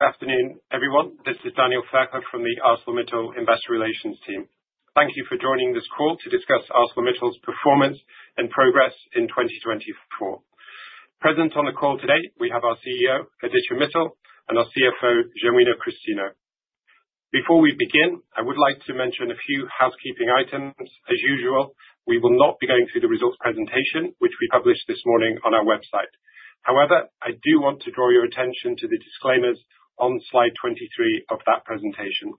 Good afternoon, everyone. This is Daniel Fairclough from the ArcelorMittal Investor Relations team. Thank you for joining this call to discuss ArcelorMittal's performance and progress in 2024. Present on the call today, we have our CEO, Aditya Mittal, and our CFO, Genuino Christino. Before we begin, I would like to mention a few housekeeping items. As usual, we will not be going through the results presentation, which we published this morning on our website. However, I do want to draw your attention to the disclaimers on slide 23 of that presentation.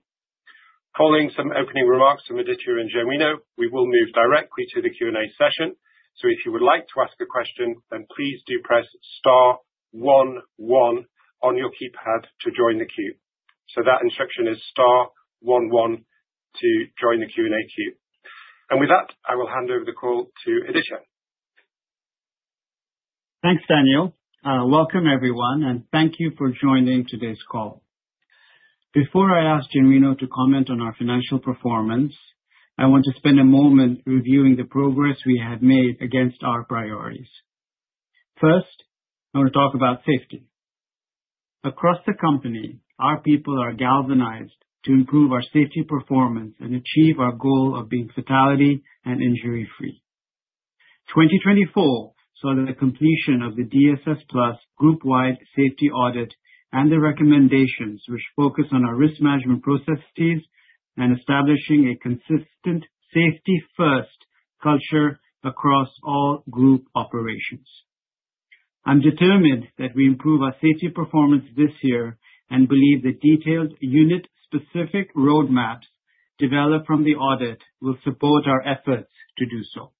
Following some opening remarks from Aditya and Genuino, we will move directly to the Q&A session. So if you would like to ask a question, then please do press star one one on your keypad to join the queue. So that instruction is star one one to join the Q&A queue. With that, I will hand over the call to Aditya. Thanks, Daniel. Welcome, everyone, and thank you for joining today's call. Before I ask Genuino to comment on our financial performance, I want to spend a moment reviewing the progress we have made against our priorities. First, I want to talk about safety. Across the company, our people are galvanized to improve our safety performance and achieve our goal of being fatality and injury-free. 2024 saw the completion of the dss+ group-wide safety audit and the recommendations, which focus on our risk management processes and establishing a consistent safety-first culture across all group operations. I'm determined that we improve our safety performance this year and believe the detailed unit-specific roadmaps developed from the audit will support our efforts to do so.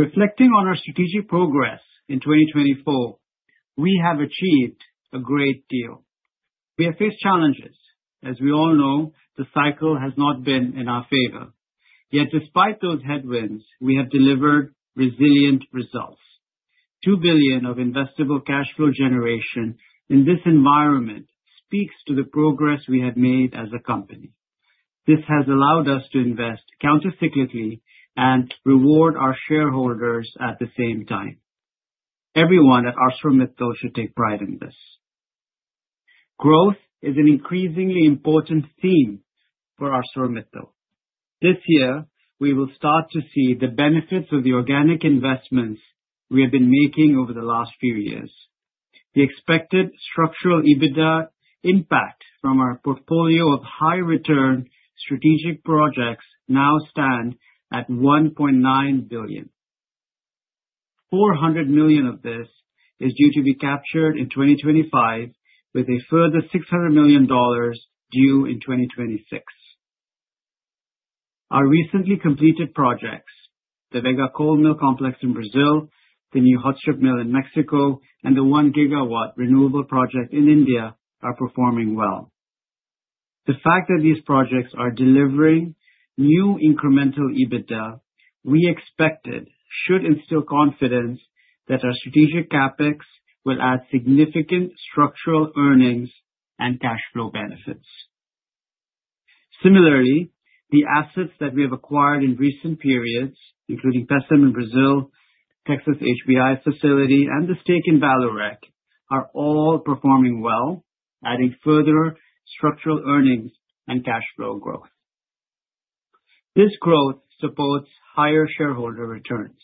Reflecting on our strategic progress in 2024, we have achieved a great deal. We have faced challenges. As we all know, the cycle has not been in our favor. Yet, despite those headwinds, we have delivered resilient results. $2 billion of investable cash flow generation in this environment speaks to the progress we have made as a company. This has allowed us to invest countercyclically and reward our shareholders at the same time. Everyone at ArcelorMittal should take pride in this. Growth is an increasingly important theme for ArcelorMittal. This year, we will start to see the benefits of the organic investments we have been making over the last few years. The expected structural EBITDA impact from our portfolio of high-return strategic projects now stands at $1.9 billion. $400 million of this is due to be captured in 2025, with a further $600 million due in 2026. Our recently completed projects, the Vega Cold Mill Complex in Brazil, the new Hot Strip Mill in Mexico, and the one-gigawatt renewable project in India, are performing well. The fact that these projects are delivering new incremental EBITDA we expected should instill confidence that our strategic CapEx will add significant structural earnings and cash flow benefits. Similarly, the assets that we have acquired in recent periods, including Pecém in Brazil, Texas HBI facility, and the stake in Vallourec, are all performing well, adding further structural earnings and cash flow growth. This growth supports higher shareholder returns.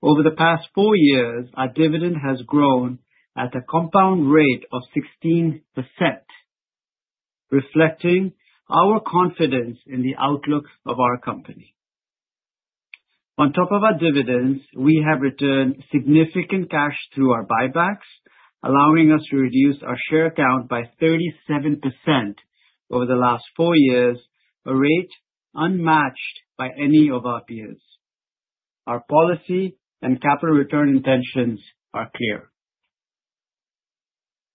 Over the past four years, our dividend has grown at a compound rate of 16%, reflecting our confidence in the outlook of our company. On top of our dividends, we have returned significant cash through our buybacks, allowing us to reduce our share count by 37% over the last four years, a rate unmatched by any of our peers. Our policy and capital return intentions are clear.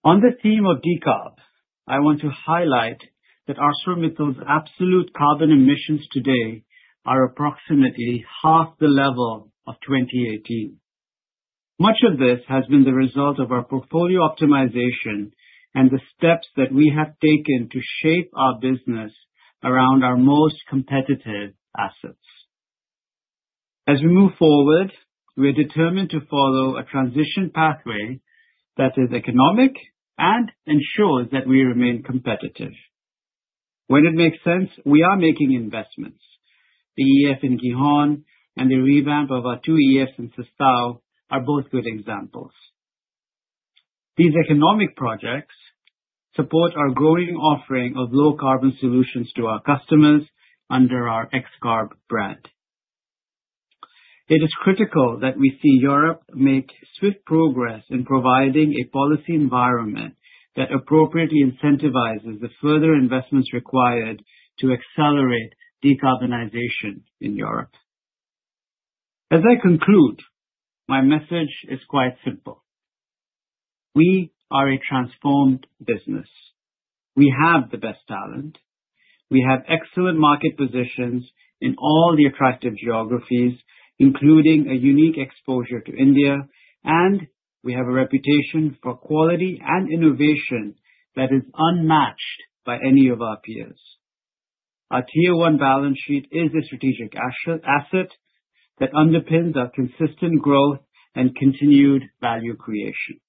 On the theme of decarb, I want to highlight that ArcelorMittal's absolute carbon emissions today are approximately half the level of 2018. Much of this has been the result of our portfolio optimization and the steps that we have taken to shape our business around our most competitive assets. As we move forward, we are determined to follow a transition pathway that is economic and ensures that we remain competitive. When it makes sense, we are making investments. The EAF in Gijón and the revamp of our two EAFs in Sestao are both good examples. These economic projects support our growing offering of low-carbon solutions to our customers under our XCarb brand. It is critical that we see Europe make swift progress in providing a policy environment that appropriately incentivizes the further investments required to accelerate decarbonization in Europe. As I conclude, my message is quite simple. We are a transformed business. We have the best talent. We have excellent market positions in all the attractive geographies, including a unique exposure to India, and we have a reputation for quality and innovation that is unmatched by any of our peers. Our tier-one balance sheet is a strategic asset that underpins our consistent growth and continued value creation.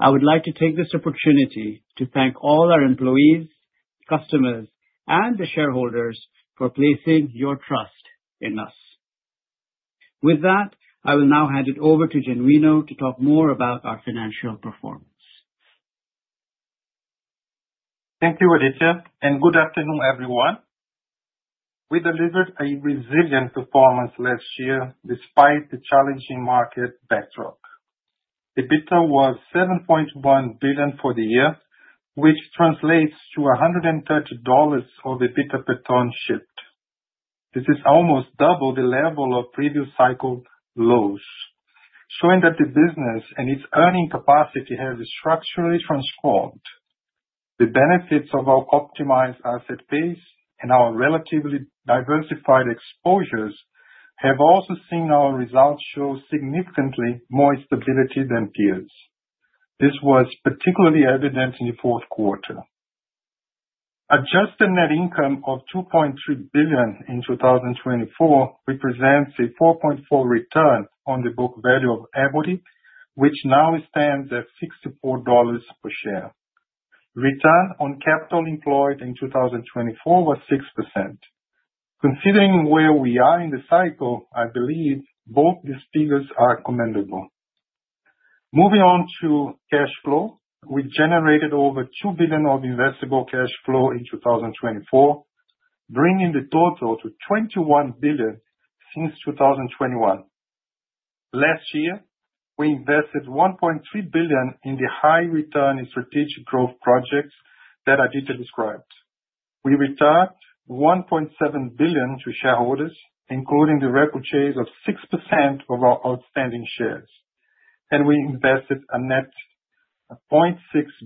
I would like to take this opportunity to thank all our employees, customers, and the shareholders for placing your trust in us. With that, I will now hand it over to Genuino to talk more about our financial performance. Thank you, Aditya, and good afternoon, everyone. We delivered a resilient performance last year despite the challenging market backdrop. EBITDA was $7.1 billion for the year, which translates to $130 of EBITDA per ton shipped. This is almost double the level of previous cycle lows, showing that the business and its earning capacity have structurally transformed. The benefits of our optimized asset base and our relatively diversified exposures have also seen our results show significantly more stability than peers. This was particularly evident in the fourth quarter. Adjusted net income of $2.3 billion in 2024 represents a 4.4% return on the book value of EBITDA, which now stands at $64 per share. Return on capital employed in 2024 was 6%. Considering where we are in the cycle, I believe both these figures are commendable. Moving on to cash flow, we generated over $2 billion of investable cash flow in 2024, bringing the total to $21 billion since 2021. Last year, we invested $1.3 billion in the high-return strategic growth projects that Aditya described. We returned $1.7 billion to shareholders, including the repurchase of 6% of our outstanding shares. We invested a net of $0.6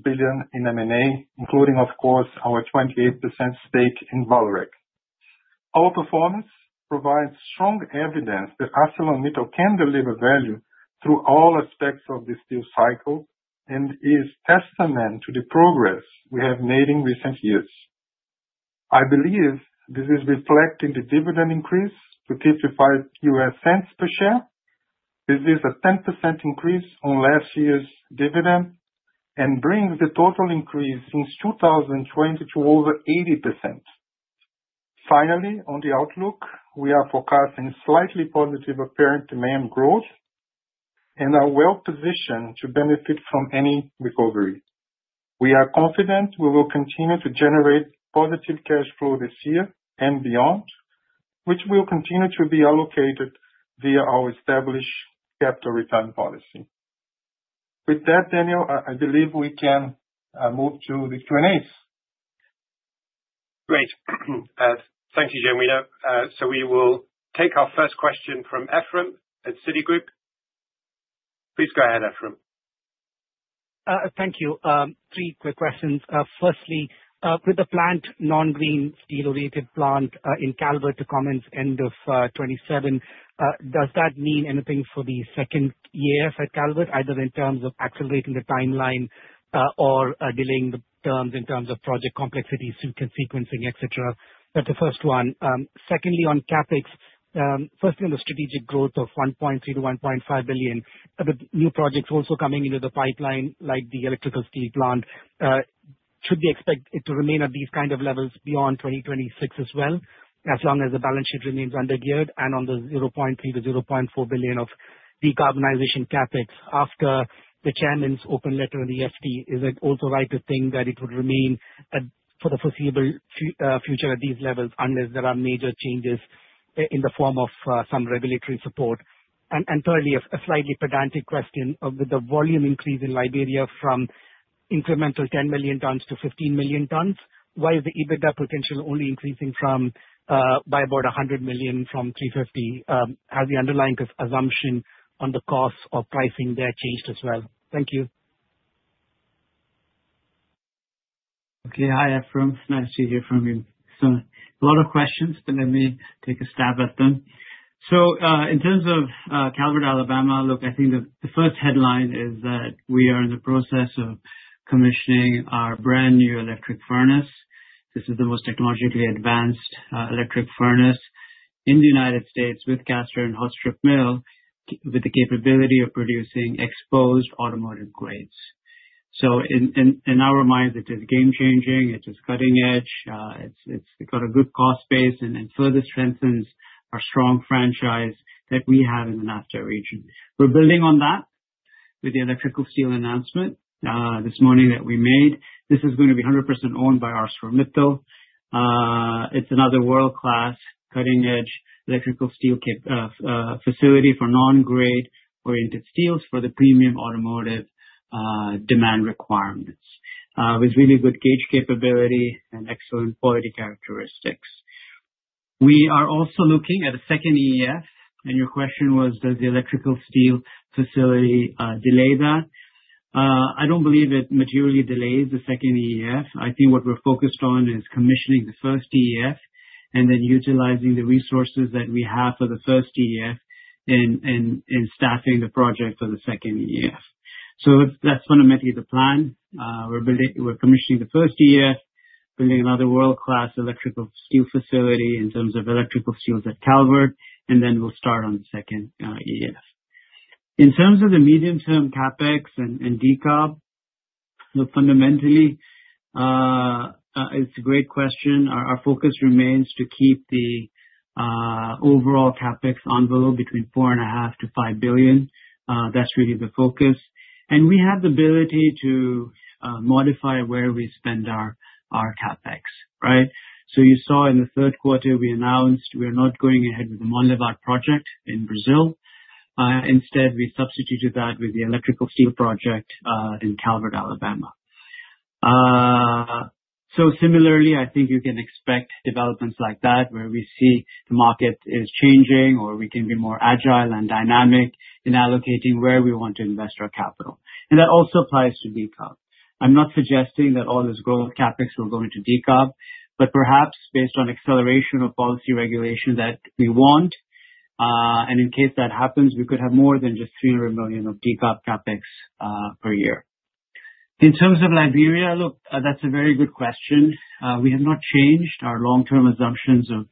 billion in M&A, including, of course, our 28% stake in Vallourec. Our performance provides strong evidence that ArcelorMittal can deliver value through all aspects of this deal cycle and is a testament to the progress we have made in recent years. I believe this is reflecting the dividend increase to $0.55 per share. This is a 10% increase on last year's dividend and brings the total increase since 2020 to over 80%. Finally, on the outlook, we are forecasting slightly positive apparent demand growth and are well-positioned to benefit from any recovery. We are confident we will continue to generate positive cash flow this year and beyond, which will continue to be allocated via our established capital return policy. With that, Daniel, I believe we can move to the Q&As. Great. Thank you, Genuino. So we will take our first question from Ephrem at Citigroup. Please go ahead, Ephrem. Thank you. Three quick questions. Firstly, with the planned non-grain steel-related plant in Calvert to come at the end of 2027, does that mean anything for the second year at Calvert, either in terms of accelerating the timeline or delaying the terms in terms of project complexity, sequencing, et cetera? That's the first one. Secondly, on CapEx, firstly, on the strategic growth of $1.3-$1.5 billion, with new projects also coming into the pipeline like the electrical steel plant, should we expect it to remain at these kind of levels beyond 2026 as well, as long as the balance sheet remains under geared and on the $0.3-$0.4 billion of decarbonization CapEx after the chairman's open letter on the ETS? Is it also right to think that it would remain for the foreseeable future at these levels unless there are major changes in the form of some regulatory support? And thirdly, a slightly pedantic question. With the volume increase in Liberia from incremental 10 million tons to 15 million tons, why is the EBITDA potential only increasing by about $100 million from $350? Has the underlying assumption on the cost or pricing there changed as well? Thank you. Okay. Hi, Ephrem. It's nice to hear from you. So a lot of questions, but let me take a stab at them. So in terms of Calvert, Alabama, look, I think the first headline is that we are in the process of commissioning our brand new electric furnace. This is the most technologically advanced electric furnace in the United States with caster and hot strip mill, with the capability of producing exposed automotive grades. So in our minds, it is game-changing. It is cutting-edge. It's got a good cost base and further strengthens our strong franchise that we have in the NAFTA region. We're building on that with the electrical steel announcement this morning that we made. This is going to be 100% owned by ArcelorMittal. It's another world-class, cutting-edge electrical steel facility for non-grain-oriented steels for the premium automotive demand requirements, with really good gauge capability and excellent quality characteristics. We are also looking at a second EAF. And your question was, does the electrical steel facility delay that? I don't believe it materially delays the second EAF. I think what we're focused on is commissioning the first EAF and then utilizing the resources that we have for the first EAF and staffing the project for the second EAF. So that's fundamentally the plan. We're commissioning the first EAF, building another world-class electrical steel facility in terms of electrical steels at Calvert, and then we'll start on the second EAF. In terms of the medium-term CapEx and decarb, fundamentally, it's a great question. Our focus remains to keep the overall CapEx envelope between $4.5-$5 billion. That's really the focus. We have the ability to modify where we spend our CapEx, right? So you saw in the third quarter, we announced we are not going ahead with the Monlevade project in Brazil. Instead, we substituted that with the electrical steel project in Calvert, Alabama. Similarly, I think you can expect developments like that where we see the market is changing or we can be more agile and dynamic in allocating where we want to invest our capital. That also applies to decarb. I'm not suggesting that all this growth CapEx will go into decarb, but perhaps based on acceleration of policy regulation that we want. In case that happens, we could have more than just $300 million of decarb CapEx per year. In terms of Liberia, look, that's a very good question. We have not changed our long-term assumptions of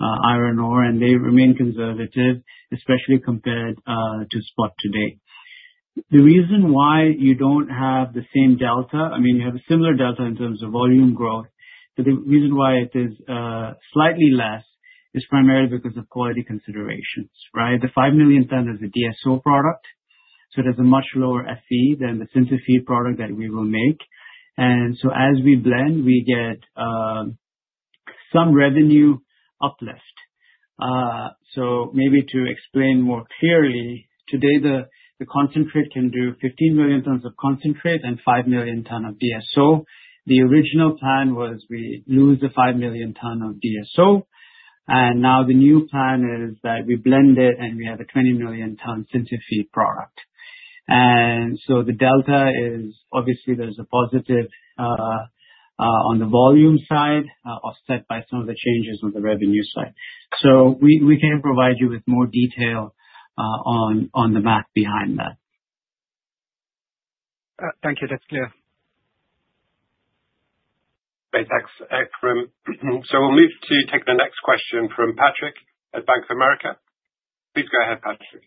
iron ore, and they remain conservative, especially compared to spot today. The reason why you don't have the same delta, I mean, you have a similar delta in terms of volume growth, but the reason why it is slightly less is primarily because of quality considerations, right? The 5 million ton is a DSO product, so it has a much lower FE than the synthesized feed product that we will make. And so as we blend, we get some revenue uplift. So maybe to explain more clearly, today, the concentrate can do 15 million tons of concentrate and 5 million tons of DSO. The original plan was we lose the 5 million tons of DSO. And now the new plan is that we blend it and we have a 20 million ton synthesized feed product. The delta is obviously there's a positive on the volume side offset by some of the changes on the revenue side. We can provide you with more detail on the math behind that. Thank you. That's clear. Great. Thanks, Ephrem. So we'll move to take the next question from Patrick at Bank of America. Please go ahead, Patrick.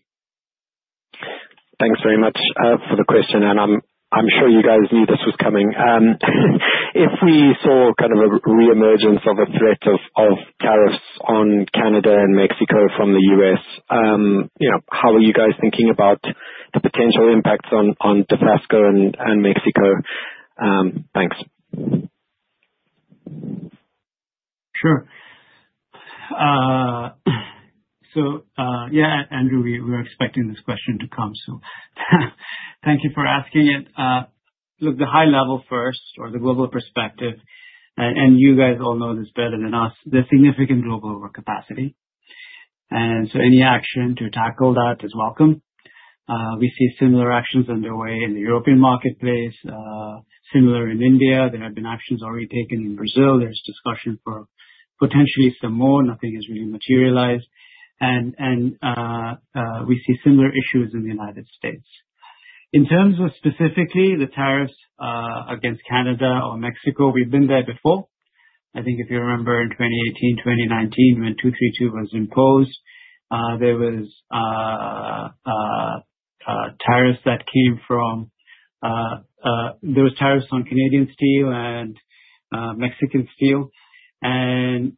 Thanks very much for the question, and I'm sure you guys knew this was coming. If we saw kind of a re-emergence of a threat of tariffs on Canada and Mexico from the U.S., how are you guys thinking about the potential impacts on Dofasco and Mexico? Thanks. Sure. So yeah, Andrew, we were expecting this question to come. So thank you for asking it. Look, the high level first, or the global perspective, and you guys all know this better than us, the significant global overcapacity, and so any action to tackle that is welcome. We see similar actions underway in the European marketplace, similar in India. There have been actions already taken in Brazil. There's discussion for potentially some more. Nothing has really materialized, and we see similar issues in the United States. In terms of specifically the tariffs against Canada or Mexico, we've been there before. I think if you remember in 2018, 2019, when 232 was imposed, there were tariffs on Canadian steel and Mexican steel. And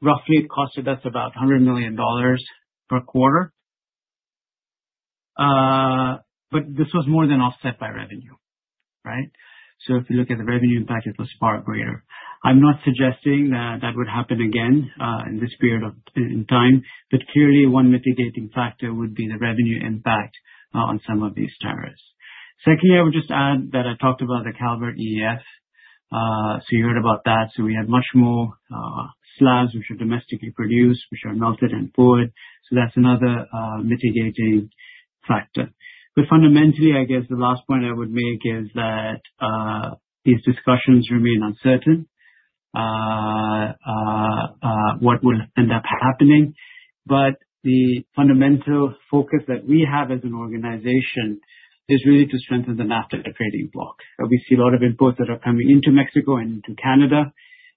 roughly, it cost us about $100 million per quarter. But this was more than offset by revenue, right? So if you look at the revenue impact, it was far greater. I'm not suggesting that that would happen again in this period of time, but clearly, one mitigating factor would be the revenue impact on some of these tariffs. Secondly, I would just add that I talked about the Calvert EAF. So you heard about that. So we have much more slabs which are domestically produced, which are melted and poured. So that's another mitigating factor. But fundamentally, I guess the last point I would make is that these discussions remain uncertain, what will end up happening. But the fundamental focus that we have as an organization is really to strengthen the NAFTA trading bloc. We see a lot of inputs that are coming into Mexico and into Canada.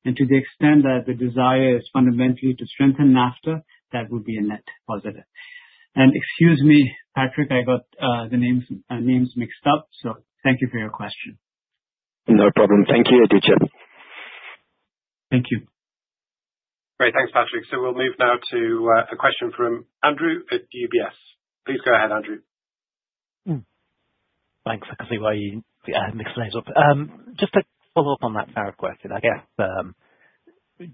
And to the extent that the desire is fundamentally to strengthen NAFTA, that would be a net positive. Excuse me, Patrick. I got the names mixed up. So thank you for your question. No problem. Thank you, Aditya. Thank you. Great. Thanks, Patrick. So we'll move now to a question from Andrew at UBS. Please go ahead, Andrew. Thanks. I can see why you mixed those up. Just to follow up on that tariff question, I guess,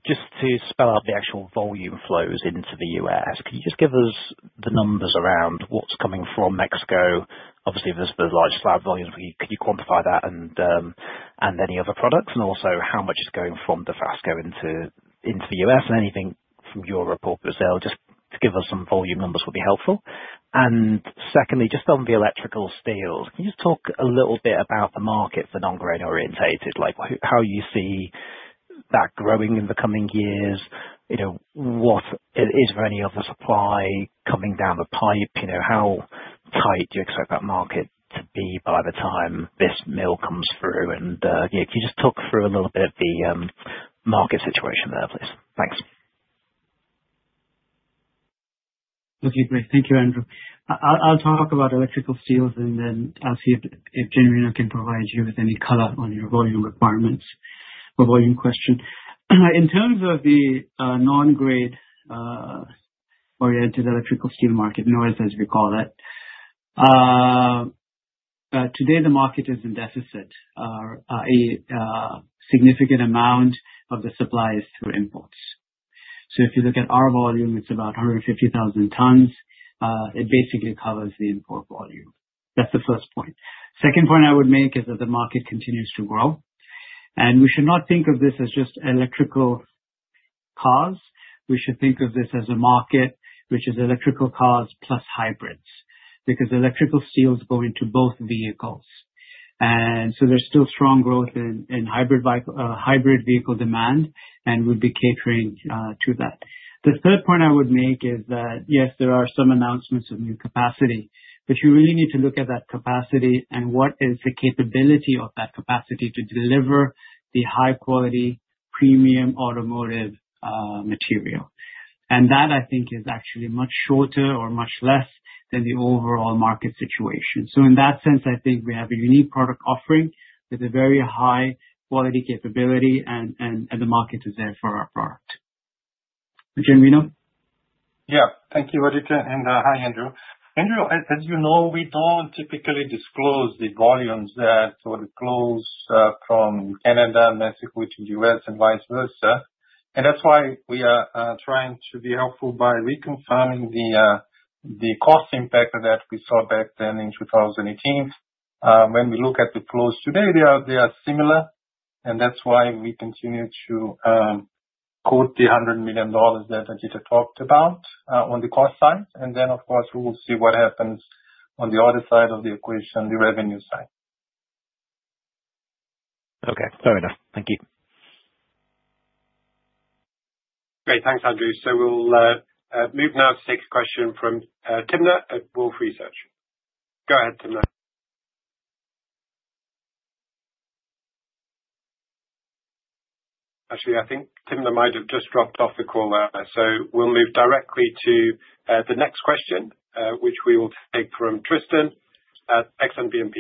just to spell out the actual volume flows into the U.S., can you just give us the numbers around what's coming from Mexico? Obviously, there's the large slab volumes. Can you quantify that and any other products? And also, how much is going from Ternium into the U.S.? And anything from your report, but just to give us some volume numbers would be helpful. And secondly, just on the electrical steels, can you just talk a little bit about the market for non-grain-oriented, like how you see that growing in the coming years? Is there any other supply coming down the pipe? How tight do you expect that market to be by the time this mill comes through? Can you just talk through a little bit of the market situation there, please? Thanks. Okay. Great. Thank you, Andrew. I'll talk about electrical steels and then ask you if Genuino can provide you with any color on your volume requirements or volume question. In terms of the non-grade-oriented electrical steel market, NGOES, as we call it, today, the market is in deficit, i.e., a significant amount of the supply is through imports. So if you look at our volume, it's about 150,000 tons. It basically covers the import volume. That's the first point. Second point I would make is that the market continues to grow, and we should not think of this as just electrical cars. We should think of this as a market which is electrical cars plus hybrids because electrical steels go into both vehicles, and so there's still strong growth in hybrid vehicle demand and would be catering to that. The third point I would make is that, yes, there are some announcements of new capacity, but you really need to look at that capacity and what is the capability of that capacity to deliver the high-quality premium automotive material. And that, I think, is actually much shorter or much less than the overall market situation. So in that sense, I think we have a unique product offering with a very high-quality capability, and the market is there for our product. Genuino? Yeah. Thank you, Aditya. And hi, Andrew. Andrew, as you know, we don't typically disclose the volumes that would close from Canada and Mexico to the U.S. and vice versa. And that's why we are trying to be helpful by reconfirming the cost impact that we saw back then in 2018. When we look at the flows today, they are similar. And that's why we continue to quote the $100 million that Aditya talked about on the cost side. And then, of course, we will see what happens on the other side of the equation, the revenue side. Okay. Fair enough. Thank you. Great. Thanks, Andrew. So we'll move now to take a question from Timna at Wolfe Research. Go ahead, Timna. Actually, I think Timna might have just dropped off the call. So we'll move directly to the next question, which we will take from Tristan at Exane BNP.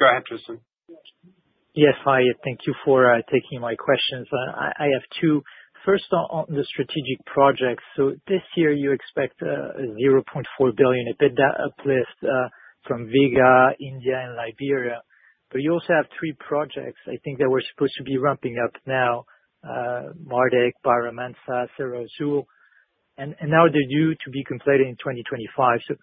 Go ahead, Tristan. Yes. Hi. Thank you for taking my questions. I have two. First, on the strategic projects, so this year, you expect a $0.4 billion EBITDA uplift from Vega, India, and Liberia. But you also have three projects, I think, that were supposed to be ramping up now: Mardyck, Barra Mansa, Serra Azul, and now they're due to be completed in 2025, so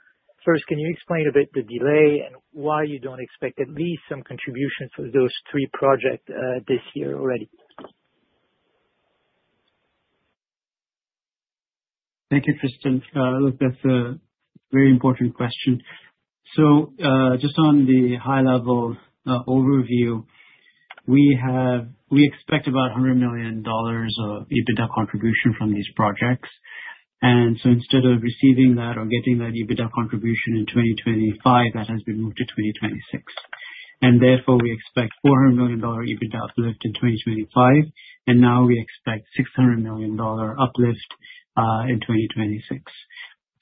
first, can you explain a bit the delay and why you don't expect at least some contribution for those three projects this year already? Thank you, Tristan. Look, that's a very important question. So just on the high-level overview, we expect about $100 million of EBITDA contribution from these projects. And so instead of receiving that or getting that EBITDA contribution in 2025, that has been moved to 2026. And therefore, we expect a $400 million EBITDA uplift in 2025. And now we expect a $600 million uplift in 2026.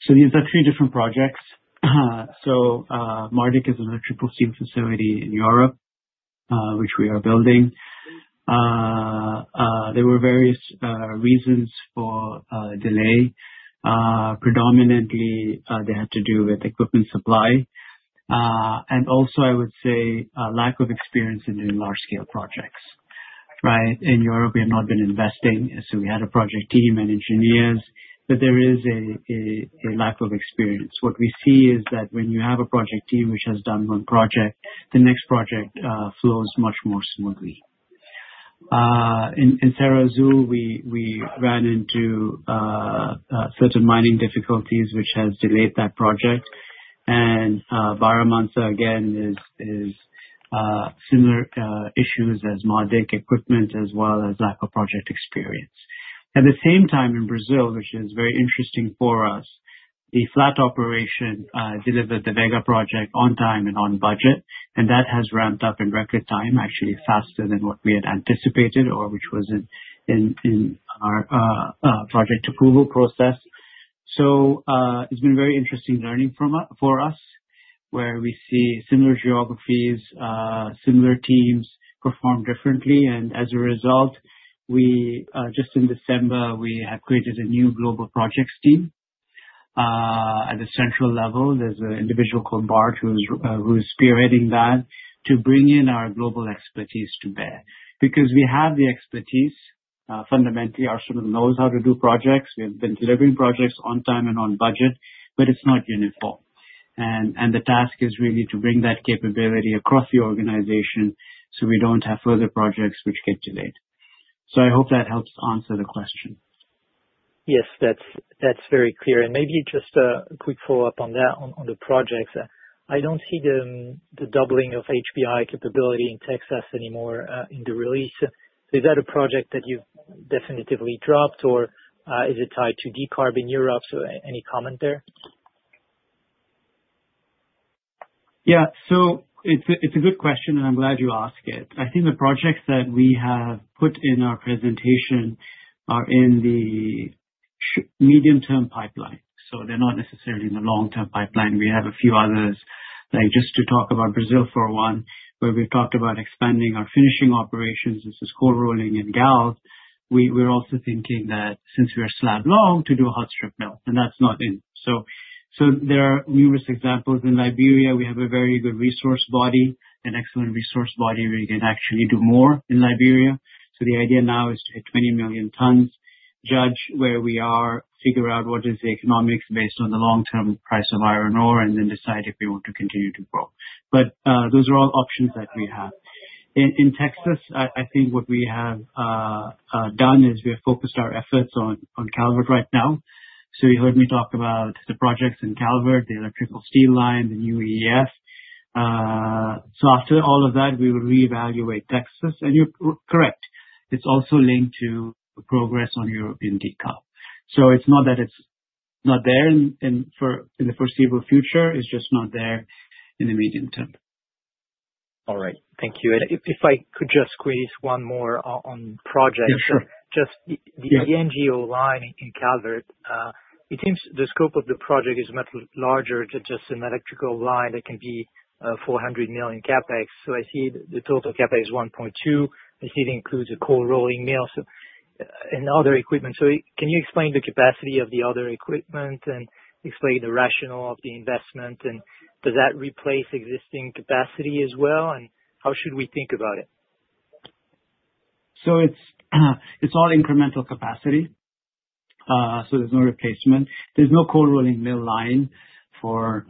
So these are three different projects. So Mardyck is an electrical steel facility in Europe, which we are building. There were various reasons for delay. Predominantly, they had to do with equipment supply. And also, I would say a lack of experience in large-scale projects, right? In Europe, we have not been investing. So we had a project team and engineers, but there is a lack of experience. What we see is that when you have a project team which has done one project, the next project flows much more smoothly. In Serra Azul, we ran into certain mining difficulties, which has delayed that project, and Barra Mansa, again, is similar issues as Mardyck equipment, as well as lack of project experience. At the same time, in Brazil, which is very interesting for us, the flat operation delivered the Vega project on time and on budget. And that has ramped up in record time, actually faster than what we had anticipated, or which was in our project approval process, so it's been a very interesting learning for us, where we see similar geographies, similar teams perform differently. As a result, just in December, we have created a new global projects team. At the central level, there's an individual called Bart who is spearheading that to bring in our global expertise to bear. Because we have the expertise, fundamentally, our system knows how to do projects. We have been delivering projects on time and on budget, but it's not uniform. And the task is really to bring that capability across the organization so we don't have further projects which get delayed. So I hope that helps answer the question. Yes, that's very clear. And maybe just a quick follow-up on that, on the projects. I don't see the doubling of HBI capability in Texas anymore in the release. Is that a project that you've definitively dropped, or is it tied to decarb in Europe? So any comment there? Yeah, so it's a good question, and I'm glad you asked it. I think the projects that we have put in our presentation are in the medium-term pipeline, so they're not necessarily in the long-term pipeline. We have a few others, like just to talk about Brazil for one, where we've talked about expanding our finishing operations. This is cold-rolled coil. We're also thinking that since we are slab long to do a hot strip mill, and that's not in, so there are numerous examples. In Liberia, we have a very good resource body, an excellent resource body where you can actually do more in Liberia, so the idea now is to hit 20 million tons, judge where we are, figure out what is the economics based on the long-term price of iron ore, and then decide if we want to continue to grow. But those are all options that we have. In Texas, I think what we have done is we have focused our efforts on Calvert right now. So you heard me talk about the projects in Calvert, the electrical steel line, the new EAF. So after all of that, we will reevaluate Texas. And you're correct. It's also linked to progress on European decarb. So it's not that it's not there in the foreseeable future. It's just not there in the medium term. All right. Thank you. And if I could just squeeze one more on projects. Just the NGO line in Calvert, it seems the scope of the project is much larger than just an electrical line that can be $400 million CapEx. So I see the total CapEx is $1.2 billion. I see it includes a cold rolling mill and other equipment. So can you explain the capacity of the other equipment and explain the rationale of the investment? And does that replace existing capacity as well? And how should we think about it? It's all incremental capacity. There's no replacement. There's no cold rolling mill line for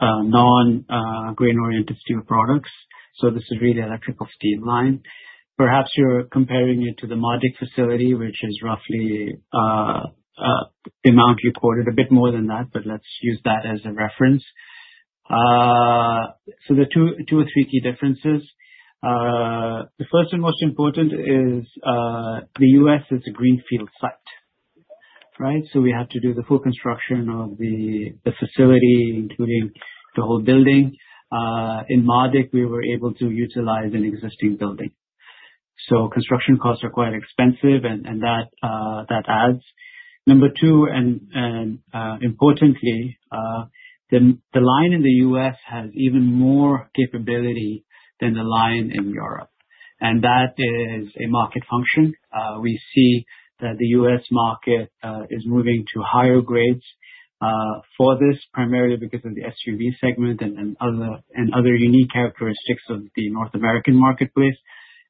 non-grain-oriented steel products. This is really electrical steel line. Perhaps you're comparing it to the Mardyck facility, which is roughly the amount reported, a bit more than that, but let's use that as a reference. There are two or three key differences. The first and most important is the U.S. is a greenfield site, right? We have to do the full construction of the facility, including the whole building. In Mardyck, we were able to utilize an existing building. Construction costs are quite expensive, and that adds. Number two, and importantly, the line in the U.S. has even more capability than the line in Europe. That is a market function. We see that the U.S. market is moving to higher grades for this, primarily because of the SUV segment and other unique characteristics of the North American marketplace.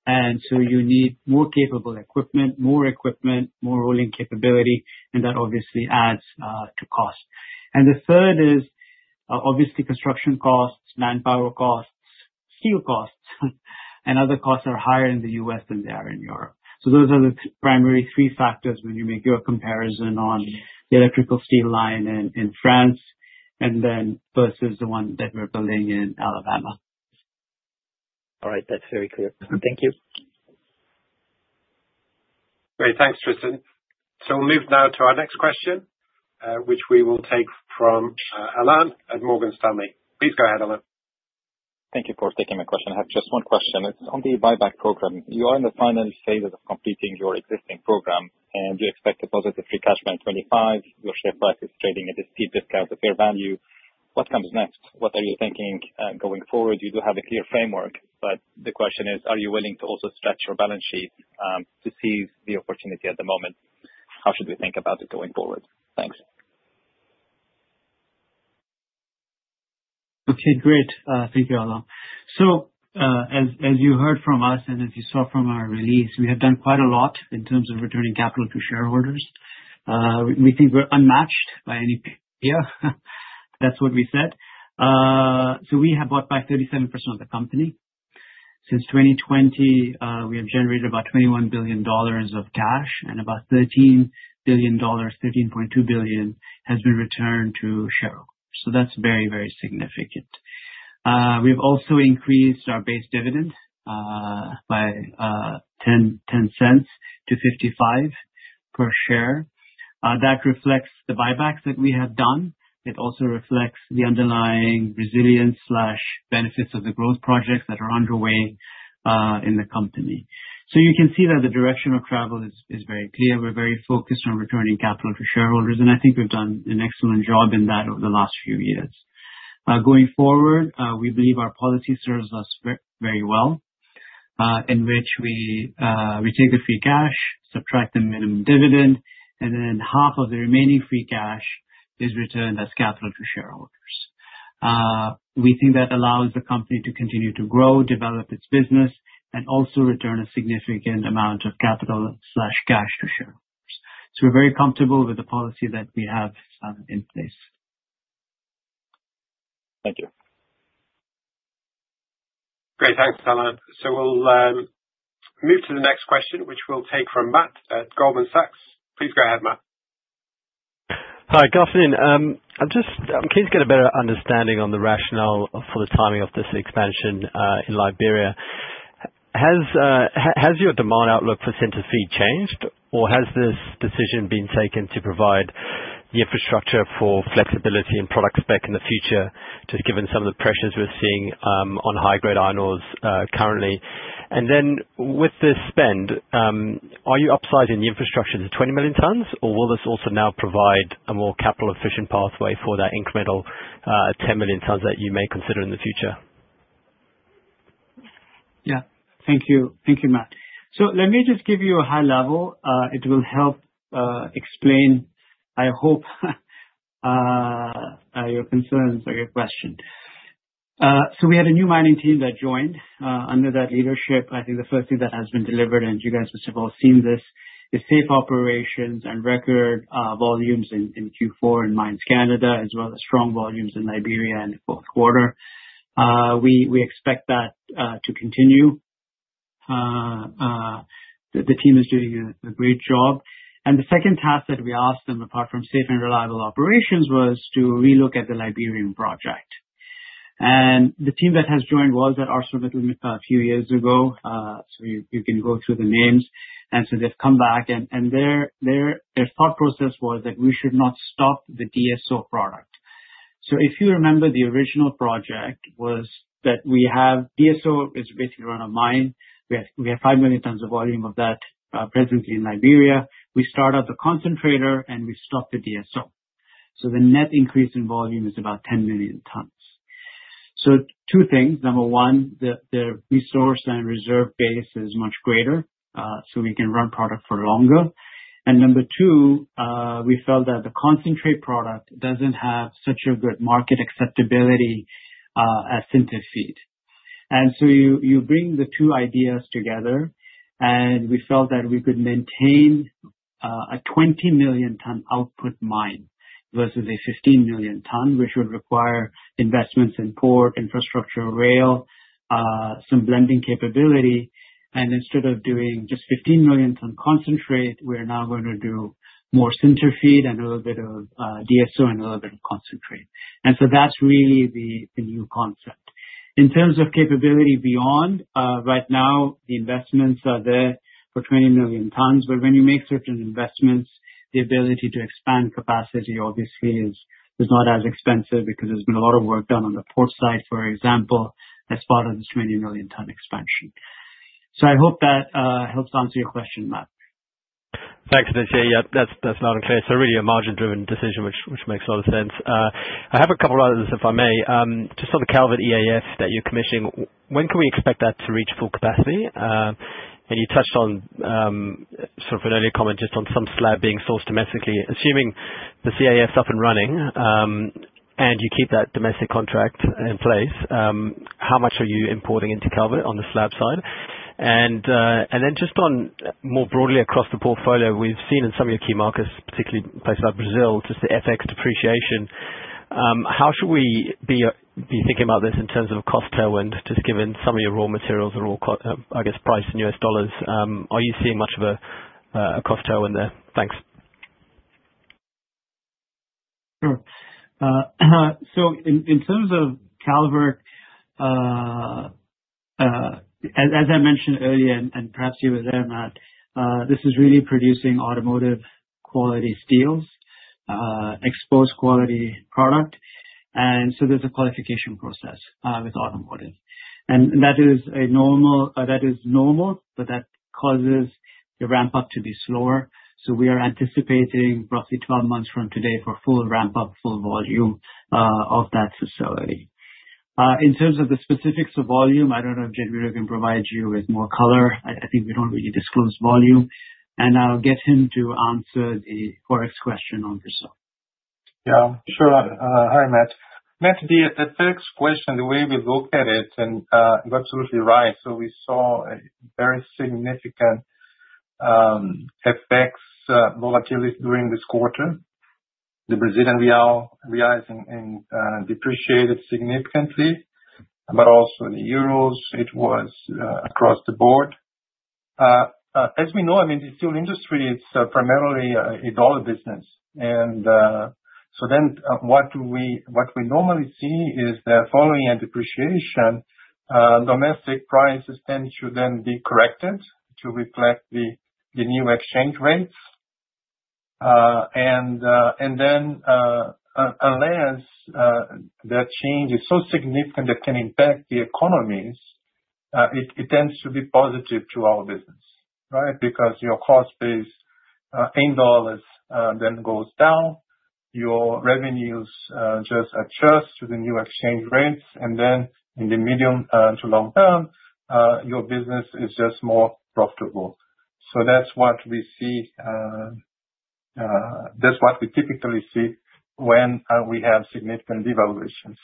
And so you need more capable equipment, more equipment, more rolling capability, and that obviously adds to cost. And the third is, obviously, construction costs, manpower costs, steel costs, and other costs are higher in the U.S. than they are in Europe. So those are the primary three factors when you make your comparison on the electrical steel line in France versus the one that we're building in Alabama. All right. That's very clear. Thank you. Great. Thanks, Tristan. So we'll move now to our next question, which we will take from Alan at Morgan Stanley. Please go ahead, Alan. Thank you for taking my question. I have just one question. It's on the buyback program. You are in the final phase of completing your existing program, and you expect a positive free cash by 2025. Your share price is trading at a steep discount of fair value. What comes next? What are you thinking going forward? You do have a clear framework, but the question is, are you willing to also stretch your balance sheet to seize the opportunity at the moment? How should we think about it going forward? Thanks. Okay. Great. Thank you, Alan. So as you heard from us and as you saw from our release, we have done quite a lot in terms of returning capital to shareholders. We think we're unmatched by any. Yeah. That's what we said. So we have bought back 37% of the company. Since 2020, we have generated about $21 billion of cash, and about $13 billion, $13.2 billion, has been returned to shareholders. So that's very, very significant. We have also increased our base dividend by $0.10 to $0.55 per share. That reflects the buybacks that we have done. It also reflects the underlying resilience benefits of the growth projects that are underway in the company. So you can see that the direction of travel is very clear. We're very focused on returning capital to shareholders, and I think we've done an excellent job in that over the last few years. Going forward, we believe our policy serves us very well, in which we take the free cash, subtract the minimum dividend, and then half of the remaining free cash is returned as capital to shareholders. We think that allows the company to continue to grow, develop its business, and also return a significant amount of capital or cash to shareholders. So we're very comfortable with the policy that we have in place. Thank you. Great. Thanks, Alan. So we'll move to the next question, which we'll take from Matt at Goldman Sachs. Please go ahead, Matt. Hi, good afternoon. I'm keen to get a better understanding on the rationale for the timing of this expansion in Liberia. Has your demand outlook for sinter feed changed, or has this decision been taken to provide the infrastructure for flexibility and product spec in the future, just given some of the pressures we're seeing on high-grade iron ores currently? And then with this spend, are you upsizing the infrastructure to 20 million tons, or will this also now provide a more capital-efficient pathway for that incremental 10 million tons that you may consider in the future? Yeah. Thank you. Thank you, Matt. So let me just give you a high level. It will help explain, I hope, your concerns or your question. So we had a new mining team that joined. Under that leadership, I think the first thing that has been delivered, and you guys must have all seen this, is safe operations and record volumes in Q4 in Mine Canada, as well as strong volumes in Liberia in the fourth quarter. We expect that to continue. The team is doing a great job. And the second task that we asked them, apart from safe and reliable operations, was to relook at the Liberian project. And the team that has joined was at ArcelorMittal a few years ago. So you can go through the names. And so they've come back, and their thought process was that we should not stop the DSO product. So if you remember, the original project was that we have DSO, which is basically run-of-mine. We have 5 million tons of volume of that presently in Liberia. We start up the concentrator, and we stop the DSO. So the net increase in volume is about 10 million tons. So two things. Number one, the resource and reserve base is much greater, so we can run product for longer. And number two, we felt that the concentrate product doesn't have such a good market acceptability as sinter feed. And so you bring the two ideas together, and we felt that we could maintain a 20 million-ton output mine versus a 15 million-ton, which would require investments in port, infrastructure, rail, some blending capability. Instead of doing just 15 million-ton concentrate, we're now going to do more center feed and a little bit of DSO and a little bit of concentrate. So that's really the new concept. In terms of capability beyond, right now, the investments are there for 20 million tons, but when you make certain investments, the ability to expand capacity, obviously, is not as expensive because there's been a lot of work done on the port side, for example, as part of this 20 million-ton expansion. I hope that helps answer your question, Matt. Thanks, Aditya. Yeah, that's loud and clear. So really a margin-driven decision, which makes a lot of sense. I have a couple others, if I may. Just on the Calvert EAF that you're commissioning, when can we expect that to reach full capacity? And you touched on sort of an earlier comment just on some slab being sourced domestically. Assuming the EAF is up and running and you keep that domestic contract in place, how much are you importing into Calvert on the slab side? And then just more broadly across the portfolio, we've seen in some of your key markets, particularly places like Brazil, just the FX depreciation. How should we be thinking about this in terms of a cost tailwind, just given some of your raw materials are all, I guess, priced in U.S. dollars? Are you seeing much of a cost tailwind there? Thanks. Sure. So in terms of Calvert, as I mentioned earlier, and perhaps you were there, Matt, this is really producing automotive-quality steels, exposed-quality product, and so there's a qualification process with automotive, and that is normal, but that causes the ramp-up to be slower, so we are anticipating roughly 12 months from today for full ramp-up, full volume of that facility. In terms of the specifics of volume, I don't know if Genuino can provide you with more color. I think we don't really disclose volume, and I'll get him to answer the Forex question on this one. Yeah. Sure. Hi, Matt. Matt, the FX question, the way we look at it, and you're absolutely right. So we saw very significant FX volatility during this quarter. The Brazilian real is depreciated significantly, but also the euros. It was across the board. As we know, I mean, the steel industry. It's primarily a dollar business. And so then what we normally see is that following a depreciation, domestic prices tend to then be corrected to reflect the new exchange rates. And then unless that change is so significant that can impact the economies, it tends to be positive to our business, right? Because your cost base in dollars then goes down, your revenues just adjust to the new exchange rates, and then in the medium to long term, your business is just more profitable. So that's what we see. That's what we typically see when we have significant devaluations.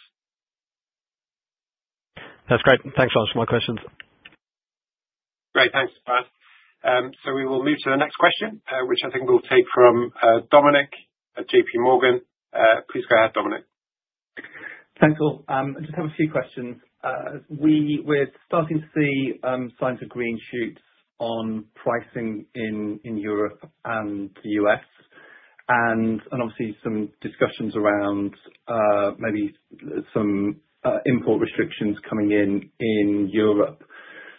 That's great. Thanks, Alan. Some more questions. Great. Thanks, Matt. So we will move to the next question, which I think we'll take from Dominic at JPMorgan. Please go ahead, Dominic. Thanks, Al. I just have a few questions. We're starting to see signs of green shoots on pricing in Europe and the U.S., and obviously some discussions around maybe some import restrictions coming in Europe.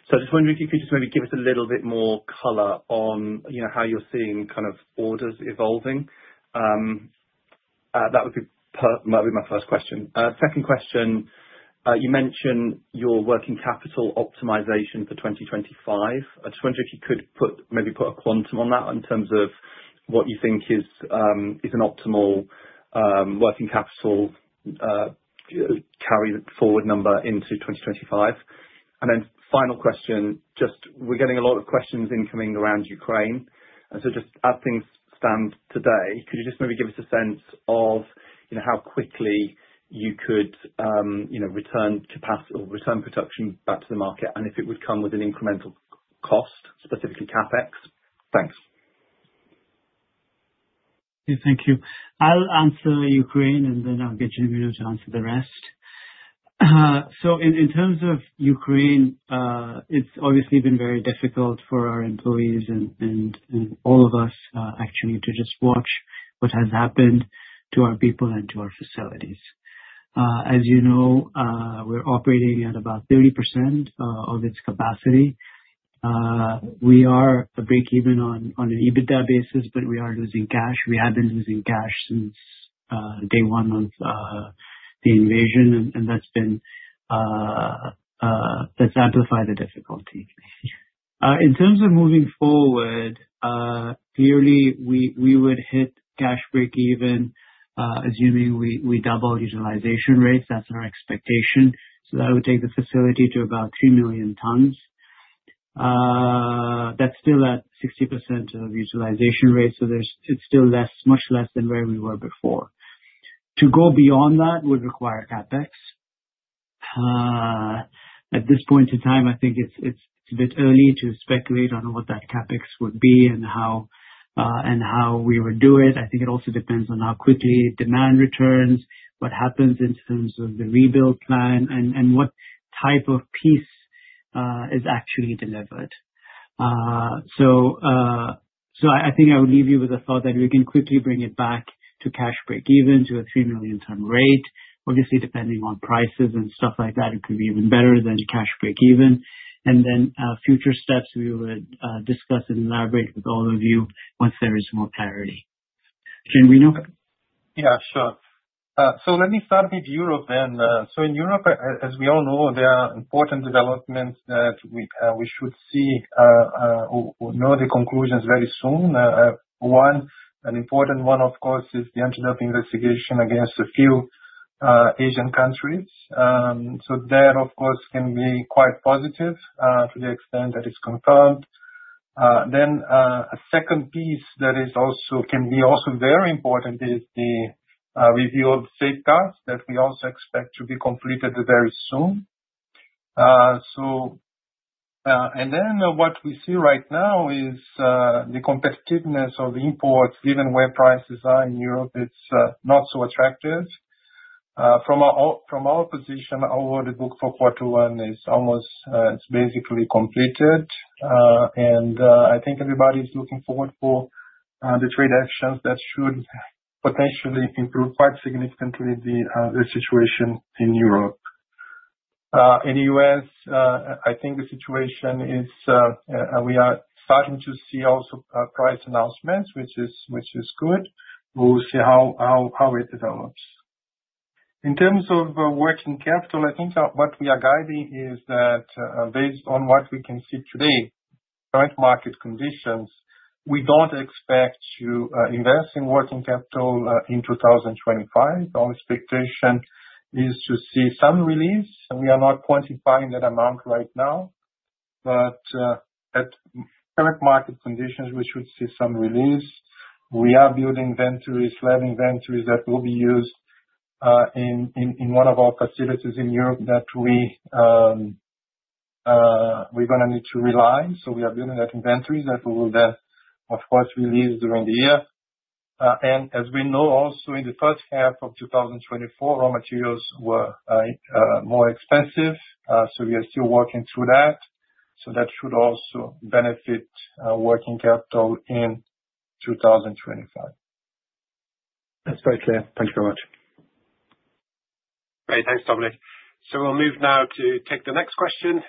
So I just wonder if you could just maybe give us a little bit more color on how you're seeing kind of orders evolving. That would be my first question. Second question, you mentioned your working capital optimization for 2025. I just wonder if you could maybe put a quantum on that in terms of what you think is an optimal working capital carry forward number into 2025. And then final question, just we're getting a lot of questions incoming around Ukraine. Just as things stand today, could you just maybe give us a sense of how quickly you could return production back to the market and if it would come with an incremental cost, specifically CapEx? Thanks. Yeah, thank you. I'll answer Ukraine, and then I'll get Genuino to answer the rest. So in terms of Ukraine, it's obviously been very difficult for our employees and all of us actually to just watch what has happened to our people and to our facilities. As you know, we're operating at about 30% of its capacity. We are a break-even on an EBITDA basis, but we are losing cash. We have been losing cash since day one of the invasion, and that's amplified the difficulty. In terms of moving forward, clearly, we would hit cash break-even, assuming we double utilization rates. That's our expectation. So that would take the facility to about 3 million tons. That's still at 60% of utilization rate, so it's still much less than where we were before. To go beyond that would require CapEx. At this point in time, I think it's a bit early to speculate on what that CapEx would be and how we would do it. I think it also depends on how quickly demand returns, what happens in terms of the rebuild plan, and what type of piece is actually delivered. So I think I would leave you with a thought that we can quickly bring it back to cash break-even to a three million-ton rate. Obviously, depending on prices and stuff like that, it could be even better than cash break-even, and then future steps, we would discuss and elaborate with all of you once there is more clarity. Genuino? Yeah, sure. So let me start with Europe then. So in Europe, as we all know, there are important developments that we should see or know the conclusions very soon. One, an important one, of course, is the anti-dumping investigation against a few Asian countries. So that, of course, can be quite positive to the extent that it's confirmed. Then a second piece that can be also very important is the review of the Safeguards that we also expect to be completed very soon. And then what we see right now is the competitiveness of imports, given where prices are in Europe, it's not so attractive. From our position, our order book for quarter one is basically completed, and I think everybody's looking forward to the trade actions that should potentially improve quite significantly the situation in Europe. In the U.S., I think the situation is we are starting to see also price announcements, which is good. We'll see how it develops. In terms of working capital, I think what we are guiding is that based on what we can see today, current market conditions, we don't expect to invest in working capital in 2025. Our expectation is to see some release. We are not quantifying that amount right now, but at current market conditions, we should see some release. We are building inventories, slab inventories that will be used in one of our facilities in Europe that we're going to need to rely. So we are building that inventory that we will then, of course, release during the year, and as we know, also in the first half of 2024, raw materials were more expensive, so we are still working through that. That should also benefit working capital in 2025. That's very clear. Thank you very much. Great. Thanks, Dominic. So we'll move now to take the next question,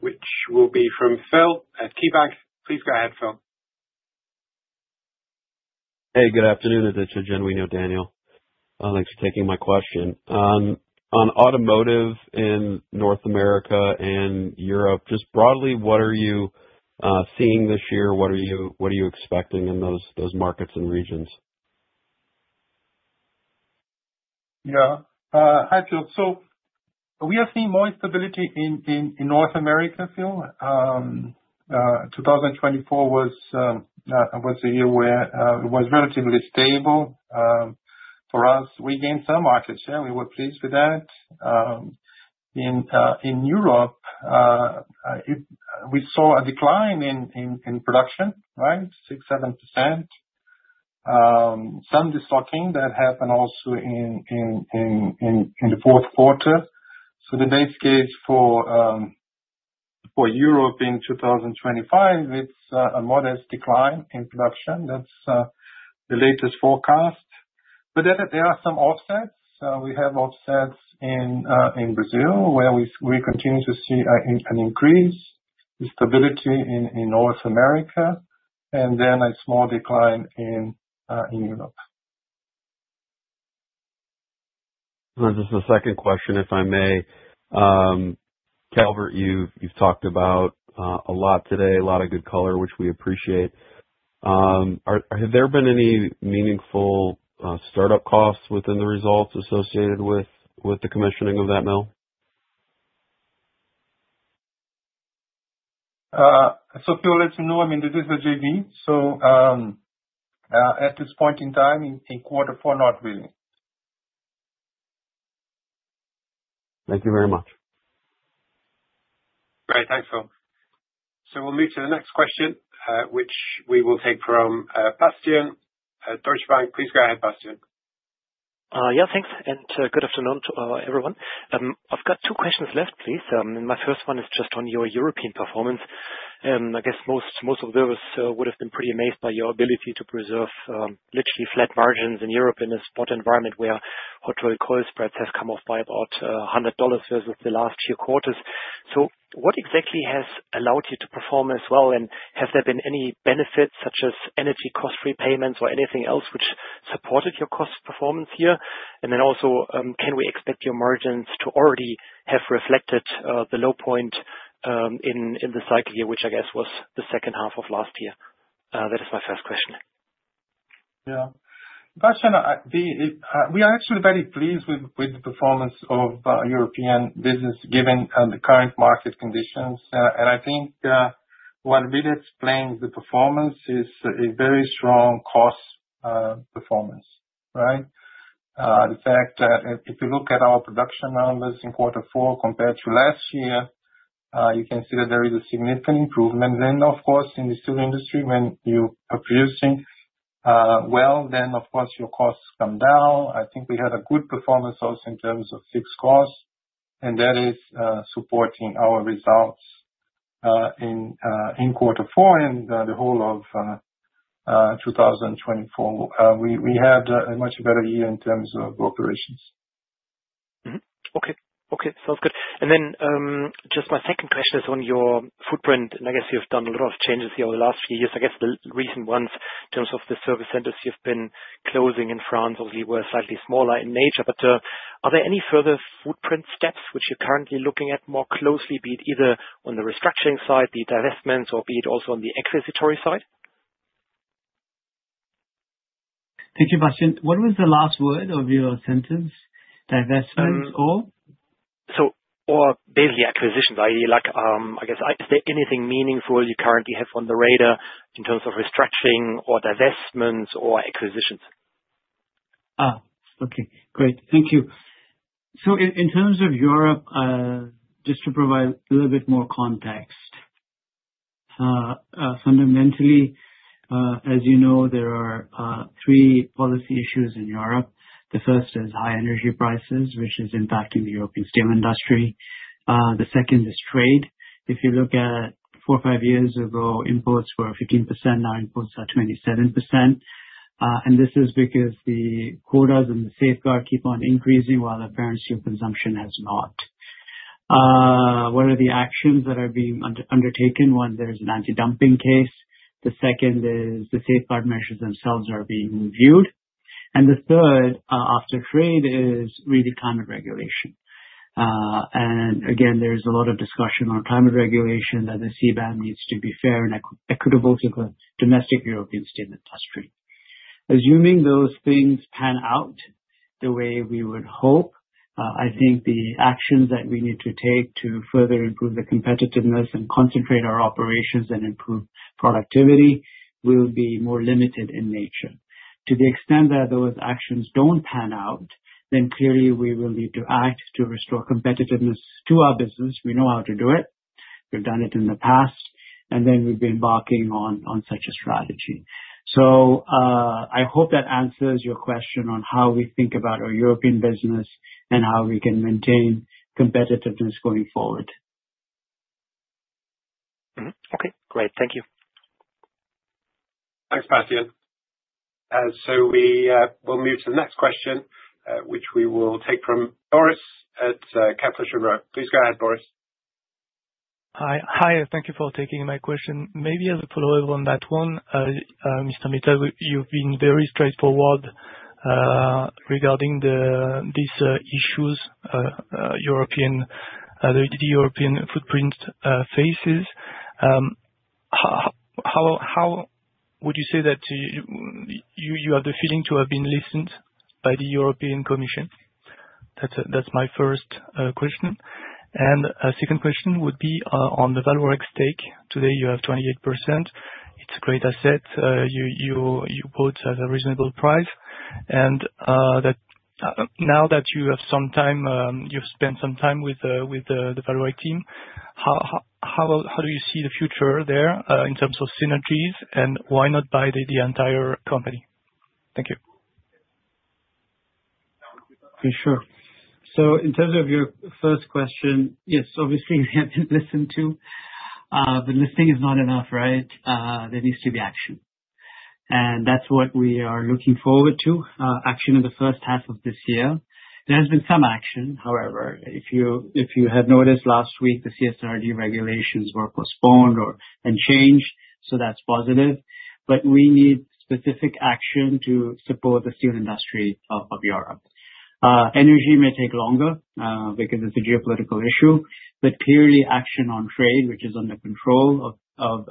which will be from Phil at KeyBanc. Please go ahead, Phil. Hey, good afternoon. This is Genuino, Daniel. Thanks for taking my question. On automotive in North America and Europe, just broadly, what are you seeing this year? What are you expecting in those markets and regions? Yeah. Hi, Phil. So we are seeing more stability in North America, Phil. 2024 was a year where it was relatively stable for us. We gained some market share. We were pleased with that. In Europe, we saw a decline in production, right? 6%-7%. Some destocking that happened also in the fourth quarter. So the base case for Europe in 2025, it's a modest decline in production. That's the latest forecast. But there are some offsets. We have offsets in Brazil where we continue to see an increase in stability in North America, and then a small decline in Europe. This is the second question, if I may. Calvert, you've talked about a lot today, a lot of good color, which we appreciate. Have there been any meaningful startup costs within the results associated with the commissioning of that mill? So, Phil, let me know. I mean, this is the JV. So at this point in time, in quarter four, not really. Thank you very much. Great. Thanks, Phil. So we'll move to the next question, which we will take from Bastian at Deutsche Bank. Please go ahead, Bastian. Yeah, thanks, and good afternoon to everyone. I've got two questions left, please, and my first one is just on your European performance. I guess most observers would have been pretty amazed by your ability to preserve literally flat margins in Europe in a spot environment where hot-rolled coil spreads have come off by about $100 versus the last few quarters, so what exactly has allowed you to perform as well, and have there been any benefits, such as energy cost repayments or anything else, which supported your cost performance here, and then also, can we expect your margins to already have reflected the low point in the cycle, yeah, which I guess was the second half of last year? That is my first question. Yeah. Bastian, we are actually very pleased with the performance of European business given the current market conditions, and I think what really explains the performance is a very strong cost performance, right? The fact that if you look at our production numbers in quarter four compared to last year, you can see that there is a significant improvement, then, of course, in the steel industry, when you are producing well, then, of course, your costs come down. I think we had a good performance also in terms of fixed costs, and that is supporting our results in quarter four and the whole of 2024. We had a much better year in terms of operations. Okay. Okay. Sounds good. And then just my second question is on your footprint. And I guess you've done a lot of changes here over the last few years. I guess the recent ones in terms of the service centers you've been closing in France obviously were slightly smaller in nature. But are there any further footprint steps which you're currently looking at more closely, be it either on the restructuring side, the divestments, or be it also on the acquisitive side? Thank you, Bastian. What was the last word of your sentence? Divestments or? So basically, acquisitions. I guess, is there anything meaningful you currently have on the radar in terms of restructuring or divestments or acquisitions? Okay. Great. Thank you. So in terms of Europe, just to provide a little bit more context, fundamentally, as you know, there are three policy issues in Europe. The first is high energy prices, which is impacting the European steel industry. The second is trade. If you look at four or five years ago, imports were 15%. Now imports are 27%. And this is because the quotas and the safeguards keep on increasing while apparently steel consumption has not. What are the actions that are being undertaken when there's an anti-dumping case? The second is the safeguard measures themselves are being reviewed. And the third after trade is really climate regulation. And again, there is a lot of discussion on climate regulation that the CBAM needs to be fair and equitable to the domestic European steel industry. Assuming those things pan out the way we would hope, I think the actions that we need to take to further improve the competitiveness and concentrate our operations and improve productivity will be more limited in nature. To the extent that those actions don't pan out, then clearly we will need to act to restore competitiveness to our business. We know how to do it. We've done it in the past, and then we've been embarking on such a strategy. So I hope that answers your question on how we think about our European business and how we can maintain competitiveness going forward. Okay. Great. Thank you. Thanks, Bastian. So we will move to the next question, which we will take from Boris at Kepler Cheuvreux. Please go ahead, Boris. Hi. Hi. Thank you for taking my question. Maybe as a follow-up on that one, Mr. Mittal, you've been very straightforward regarding these issues, the European footprint phases. How would you say that you have the feeling to have been listened to by the European Commission? That's my first question. And a second question would be on the Vallourec stake. Today, you have 28%. It's a great asset. You bought at a reasonable price. And now that you have spent some time with the Vallourec team, how do you see the future there in terms of synergies? And why not buy the entire company? Thank you. For sure, so in terms of your first question, yes, obviously, we have been listened to, but listening is not enough, right? There needs to be action, and that's what we are looking forward to, action in the first half of this year. There has been some action, however. If you had noticed last week, the CSRD regulations were postponed and changed, so that's positive, but we need specific action to support the steel industry of Europe. Energy may take longer because it's a geopolitical issue, but clearly action on trade, which is under control of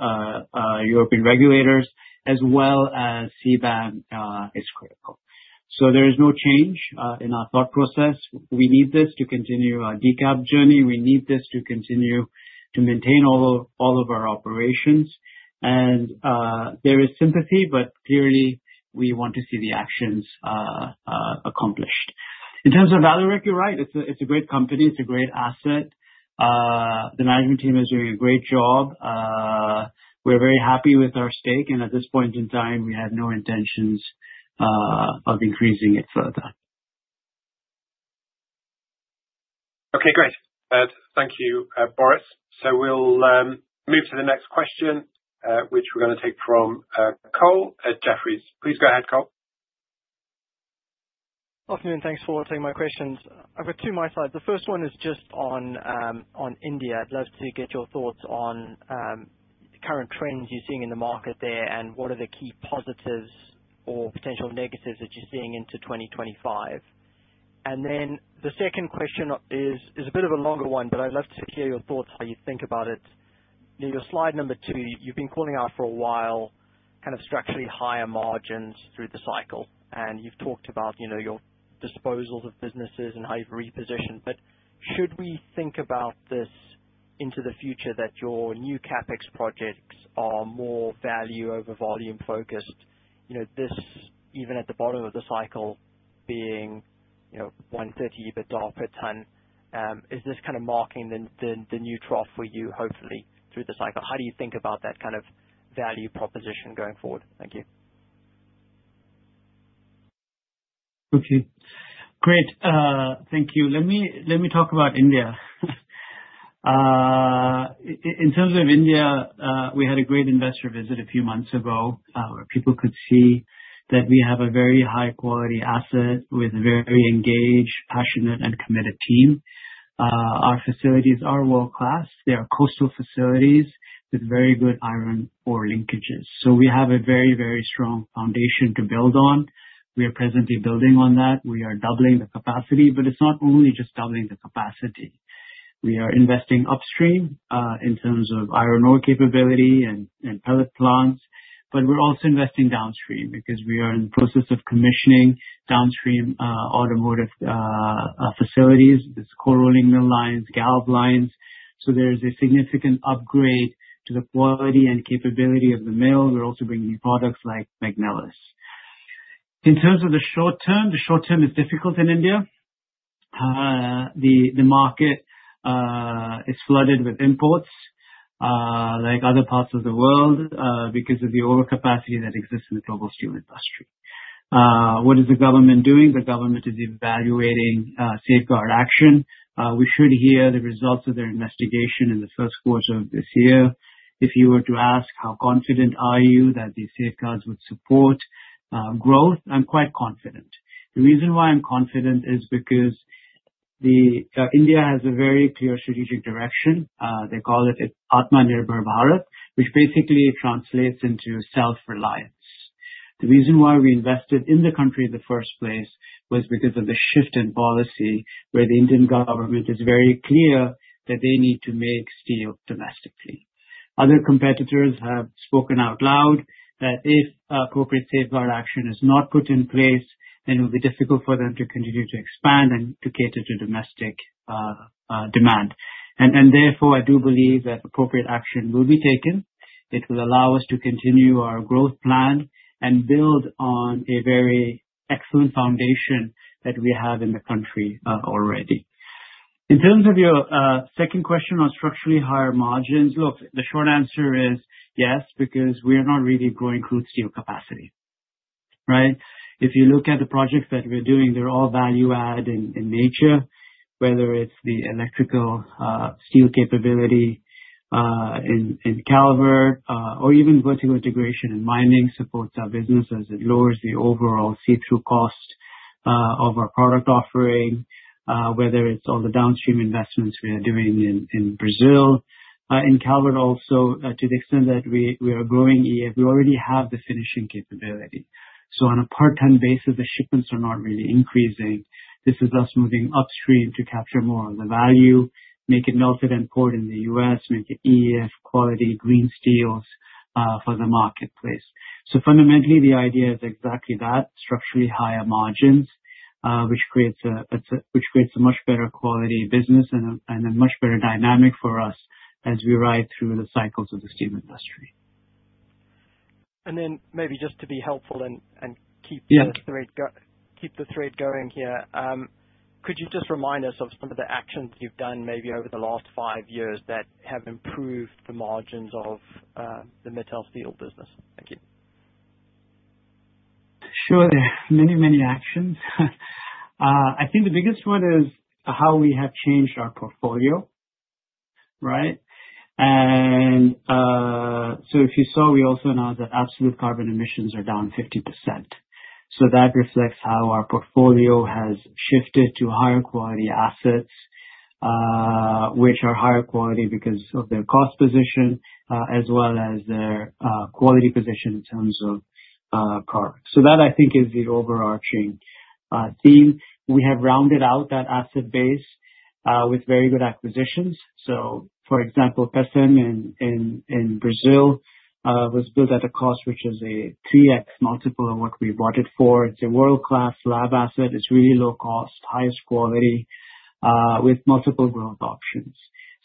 European regulators, as well as CBAM, is critical, so there is no change in our thought process. We need this to continue our decarb journey. We need this to continue to maintain all of our operations, and there is sympathy, but clearly, we want to see the actions accomplished. In terms of Vallourec, you're right. It's a great company. It's a great asset. The management team is doing a great job. We're very happy with our stake. And at this point in time, we have no intentions of increasing it further. Okay. Great. Thank you, Boris. So we'll move to the next question, which we're going to take from Cole at Jefferies. Please go ahead, Cole. Good afternoon. Thanks for taking my questions. I've got two on my side. The first one is just on India. I'd love to get your thoughts on current trends you're seeing in the market there and what are the key positives or potential negatives that you're seeing into 2025. And then the second question is a bit of a longer one, but I'd love to hear your thoughts, how you think about it. Your slide number two, you've been calling out for a while kind of structurally higher margins through the cycle. And you've talked about your disposals of businesses and how you've repositioned. But should we think about this into the future that your new CapEx projects are more value over volume focused, even at the bottom of the cycle being 130 EBIT per ton? Is this kind of marking the new trough for you, hopefully, through the cycle? How do you think about that kind of value proposition going forward? Thank you. Okay. Great. Thank you. Let me talk about India. In terms of India, we had a great investor visit a few months ago where people could see that we have a very high-quality asset with a very engaged, passionate, and committed team. Our facilities are world-class. They are coastal facilities with very good iron ore linkages. So we have a very, very strong foundation to build on. We are presently building on that. We are doubling the capacity, but it's not only just doubling the capacity. We are investing upstream in terms of iron ore capability and pellet plants, but we're also investing downstream because we are in the process of commissioning downstream automotive facilities. It's cold rolling mill lines, galv lines. So there is a significant upgrade to the quality and capability of the mill. We're also bringing products like Magnelis. In terms of the short term, the short term is difficult in India. The market is flooded with imports like other parts of the world because of the overcapacity that exists in the global steel industry. What is the government doing? The government is evaluating safeguard action. We should hear the results of their investigation in the first quarter of this year. If you were to ask how confident are you that these safeguards would support growth, I'm quite confident. The reason why I'm confident is because India has a very clear strategic direction. They call it Atmanirbhar Bharat, which basically translates into self-reliance. The reason why we invested in the country in the first place was because of the shift in policy where the Indian government is very clear that they need to make steel domestically. Other competitors have spoken out loud that if appropriate safeguard action is not put in place, then it will be difficult for them to continue to expand and to cater to domestic demand, and therefore, I do believe that appropriate action will be taken. It will allow us to continue our growth plan and build on a very excellent foundation that we have in the country already. In terms of your second question on structurally higher margins, look, the short answer is yes because we are not really growing crude steel capacity, right? If you look at the projects that we're doing, they're all value-add in nature, whether it's the electrical steel capability in Calvert or even vertical integration and mining supports our businesses. It lowers the overall see-through cost of our product offering, whether it's all the downstream investments we are doing in Brazil. In Calvert also, to the extent that we are growing, we already have the finishing capability. So on a part-time basis, the shipments are not really increasing. This is us moving upstream to capture more of the value, make it melted and poured in the U.S., make it EAF quality green steels for the marketplace. So fundamentally, the idea is exactly that, structurally higher margins, which creates a much better quality business and a much better dynamic for us as we ride through the cycles of the steel industry. And then maybe just to be helpful and keep the thread going here, could you just remind us of some of the actions you've done maybe over the last five years that have improved the margins of the metals steel business? Thank you. Sure. Many, many actions. I think the biggest one is how we have changed our portfolio, right? And so if you saw, we also announced that absolute carbon emissions are down 50%. So that reflects how our portfolio has shifted to higher quality assets, which are higher quality because of their cost position as well as their quality position in terms of products. So that, I think, is the overarching theme. We have rounded out that asset base with very good acquisitions. So for example, Pecém in Brazil was built at a cost which is a 3x multiple of what we bought it for. It's a world-class slab asset. It's really low cost, highest quality with multiple growth options.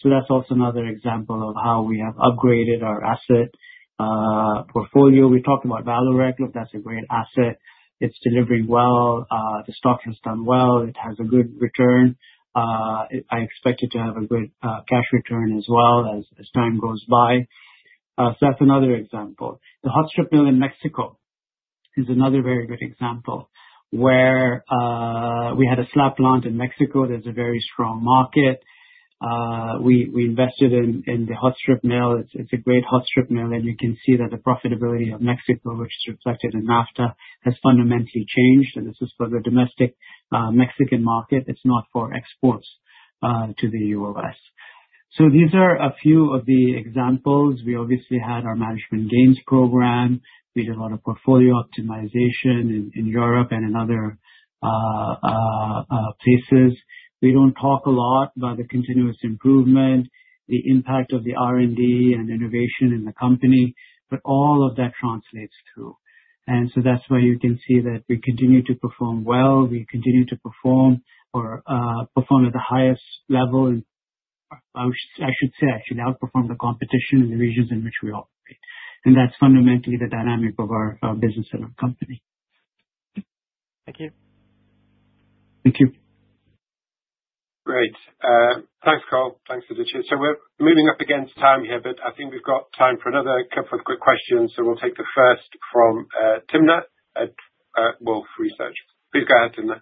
So that's also another example of how we have upgraded our asset portfolio. We talked about Vallourec. Look, that's a great asset. It's delivering well. The stock has done well. It has a good return. I expect it to have a good cash return as well as time goes by, so that's another example. The Hot Strip Mill in Mexico is another very good example where we had a slab plant in Mexico. There's a very strong market. We invested in the Hot Strip Mill. It's a great Hot Strip Mill, and you can see that the profitability of Mexico, which is reflected in NAFTA, has fundamentally changed, and this is for the domestic Mexican market. It's not for exports to the U.S., so these are a few of the examples. We obviously had our management gains program. We did a lot of portfolio optimization in Europe and in other places. We don't talk a lot about the continuous improvement, the impact of the R&D and innovation in the company, but all of that translates through. So that's where you can see that we continue to perform well. We continue to perform or perform at the highest level. I should say, actually, outperform the competition in the regions in which we operate. That's fundamentally the dynamic of our business and our company. Thank you. Thank you. Great. Thanks, Cole. Thanks for the chat. So we're moving up against time here, but I think we've got time for another couple of quick questions. So we'll take the first from Timna at Wolfe Research. Please go ahead, Timna.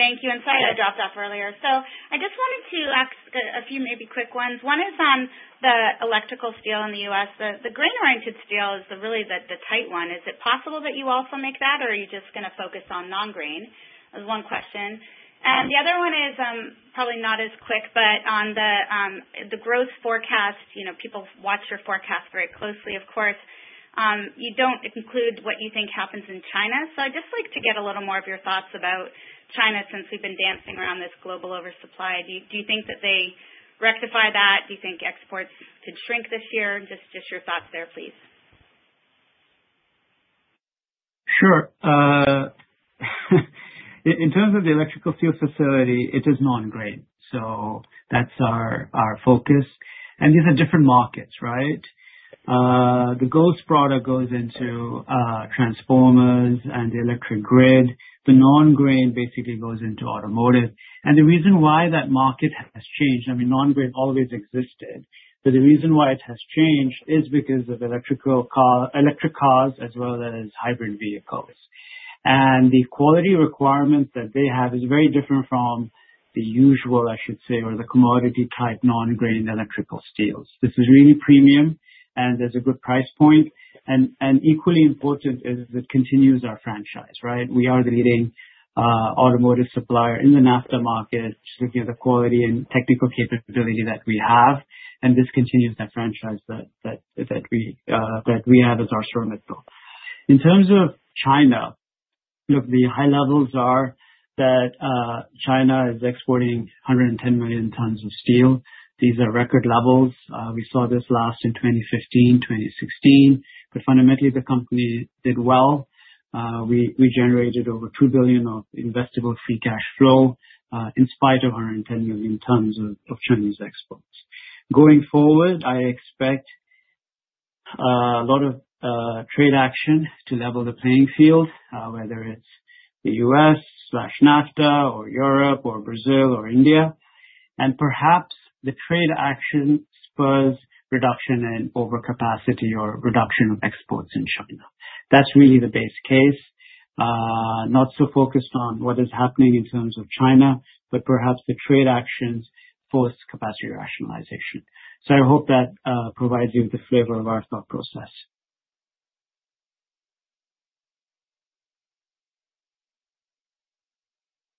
Thank you. I'm sorry I dropped off earlier, so I just wanted to ask a few maybe quick ones. One is on the electrical steel in the U.S. The grain-oriented steel is really the tight one. Is it possible that you also make that, or are you just going to focus on non-grain? That was one question, and the other one is probably not as quick, but on the growth forecast, people watch your forecast very closely, of course. You don't include what you think happens in China, so I'd just like to get a little more of your thoughts about China since we've been dancing around this global oversupply. Do you think that they rectify that? Do you think exports could shrink this year? Just your thoughts there, please. Sure. In terms of the electrical steel facility, it is non-grain. So that's our focus. And these are different markets, right? The GOES product goes into transformers and the electric grid. The non-grain basically goes into automotive. And the reason why that market has changed, I mean, non-grain always existed, but the reason why it has changed is because of electric cars as well as hybrid vehicles. And the quality requirements that they have is very different from the usual, I should say, or the commodity-type non-grain electrical steels. This is really premium, and there's a good price point. And equally important is it continues our franchise, right? We are the leading automotive supplier in the NAFTA market, just looking at the quality and technical capability that we have. And this continues that franchise that we have as our stronger growth. In terms of China, look, the high levels are that China is exporting 110 million tons of steel. These are record levels. We saw this last in 2015, 2016. But fundamentally, the company did well. We generated over $2 billion of investable free cash flow in spite of 110 million tons of Chinese exports. Going forward, I expect a lot of trade action to level the playing field, whether it's the U.S./NAFTA or Europe or Brazil or India. And perhaps the trade action spurs reduction in overcapacity or reduction of exports in China. That's really the base case, not so focused on what is happening in terms of China, but perhaps the trade actions force capacity rationalization. So I hope that provides you with the flavor of our thought process.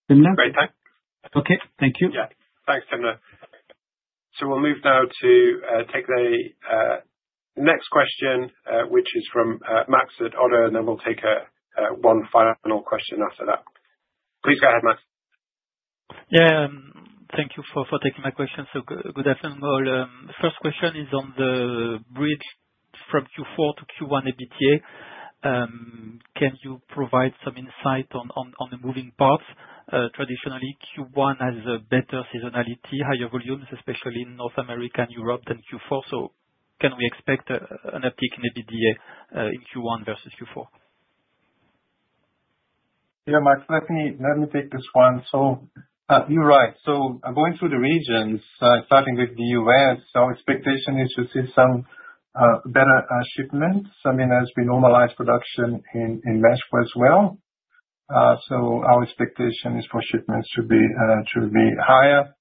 The next. Great. Thanks. Okay. Thank you. Yeah. Thanks, Timna. So we'll move now to take the next question, which is from Max at Odoo, and then we'll take one final question after that. Please go ahead, Max. Yeah. Thank you for taking my question. So good afternoon, Cole. First question is on the bridge from Q4 to Q1 EBITDA. Can you provide some insight on the moving parts? Traditionally, Q1 has better seasonality, higher volumes, especially in North America and Europe than Q4. So can we expect an uptick in EBITDA in Q1 versus Q4? Yeah, Max, let me take this one. So you're right. So going through the regions, starting with the U.S., our expectation is to see some better shipments. I mean, as we normalize production in Mexico as well. So our expectation is for shipments to be higher.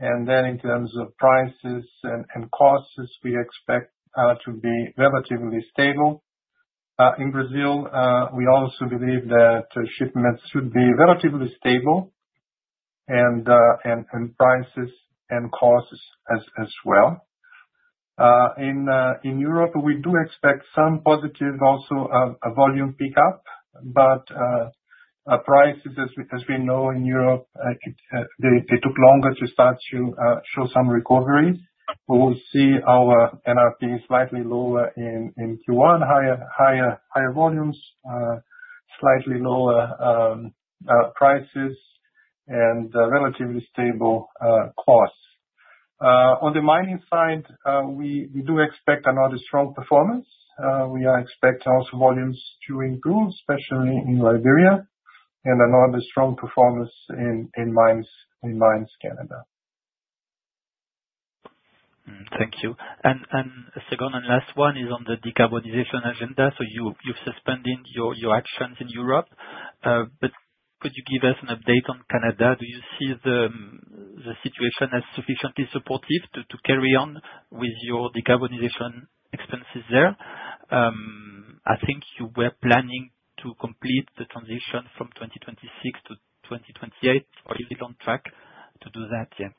And then in terms of prices and costs, we expect to be relatively stable. In Brazil, we also believe that shipments should be relatively stable and prices and costs as well. In Europe, we do expect some positive, also a volume pickup, but prices, as we know in Europe, they took longer to start to show some recovery. But we'll see our NRP slightly lower in Q1, higher volumes, slightly lower prices, and relatively stable costs. On the mining side, we do expect another strong performance. We expect also volumes to improve, especially in Liberia, and another strong performance in mines in Canada. Thank you. And second and last one is on the decarbonization agenda. So you've suspended your actions in Europe, but could you give us an update on Canada? Do you see the situation as sufficiently supportive to carry on with your decarbonization expenses there? I think you were planning to complete the transition from 2026 to 2028. Are you still on track to do that yet?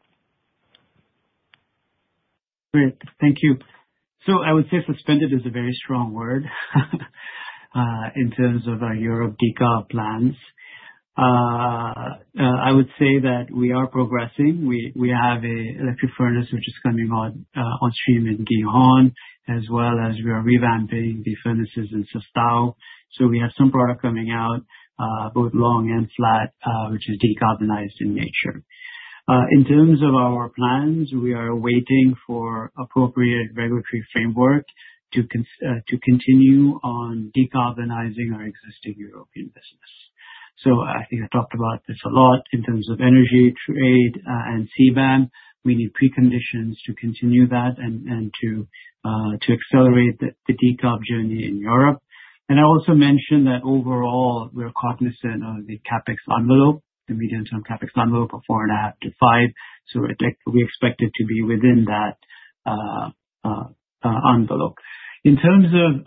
Great. Thank you, so I would say suspended is a very strong word in terms of our Europe decarb plans. I would say that we are progressing. We have an electric furnace which is coming on stream in Gijón, as well as we are revamping the furnaces in Sestao, so we have some product coming out, both long and flat, which is decarbonized in nature. In terms of our plans, we are waiting for appropriate regulatory framework to continue on decarbonizing our existing European business, so I think I talked about this a lot in terms of energy trade and CBAM. We need preconditions to continue that and to accelerate the decarb journey in Europe, and I also mentioned that overall, we're cognizant of the CapEx envelope, the medium-term CapEx envelope of 4.5-5, so we expect it to be within that envelope. In terms of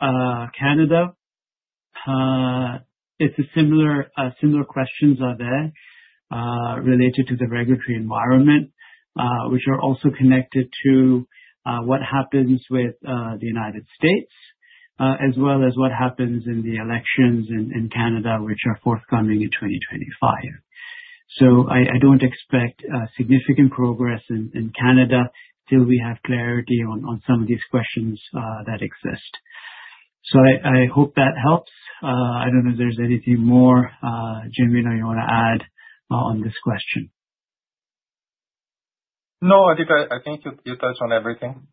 Canada, similar questions are there related to the regulatory environment, which are also connected to what happens with the United States, as well as what happens in the elections in Canada, which are forthcoming in 2025. So I don't expect significant progress in Canada till we have clarity on some of these questions that exist. So I hope that helps. I don't know if there's anything more, Timna, you want to add on this question? No, I think you touched on everything.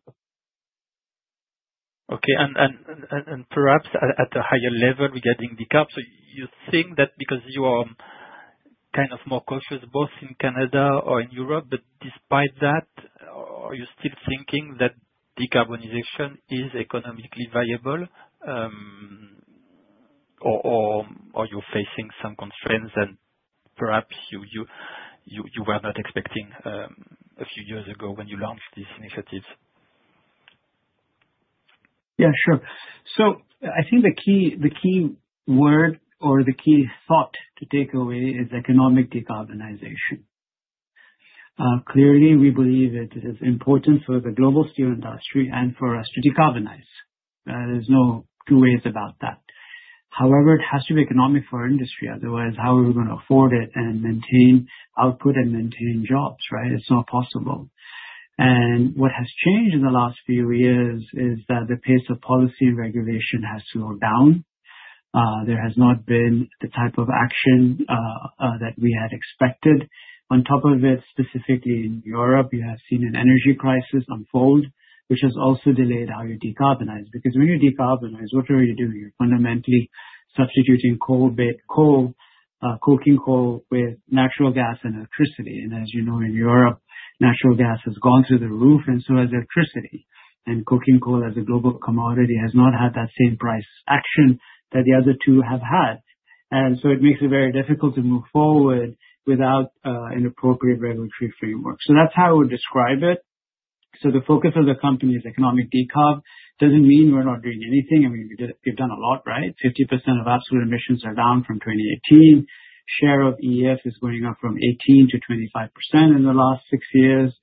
Okay. And perhaps at a higher level regarding decarb, so you think that because you are kind of more cautious both in Canada and in Europe, but despite that, are you still thinking that decarbonization is economically viable, or are you facing some constraints that perhaps you were not expecting a few years ago when you launched these initiatives? Yeah, sure. So I think the key word or the key thought to take away is economic decarbonization. Clearly, we believe it is important for the global steel industry and for us to decarbonize. There's no two ways about that. However, it has to be economic for our industry. Otherwise, how are we going to afford it and maintain output and maintain jobs, right? It's not possible. And what has changed in the last few years is that the pace of policy and regulation has slowed down. There has not been the type of action that we had expected. On top of it, specifically in Europe, you have seen an energy crisis unfold, which has also delayed how you decarbonize. Because when you decarbonize, whatever you do, you're fundamentally substituting coal with natural gas and electricity. As you know, in Europe, natural gas has gone through the roof, and so has electricity. Cooking coal as a global commodity has not had that same price action that the other two have had. It makes it very difficult to move forward without an appropriate regulatory framework. That's how I would describe it. The focus of the company is economic decarb. It doesn't mean we're not doing anything. I mean, we've done a lot, right? 50% of absolute emissions are down from 2018. Share of EAF is going up from 18% to 25% in the last six years.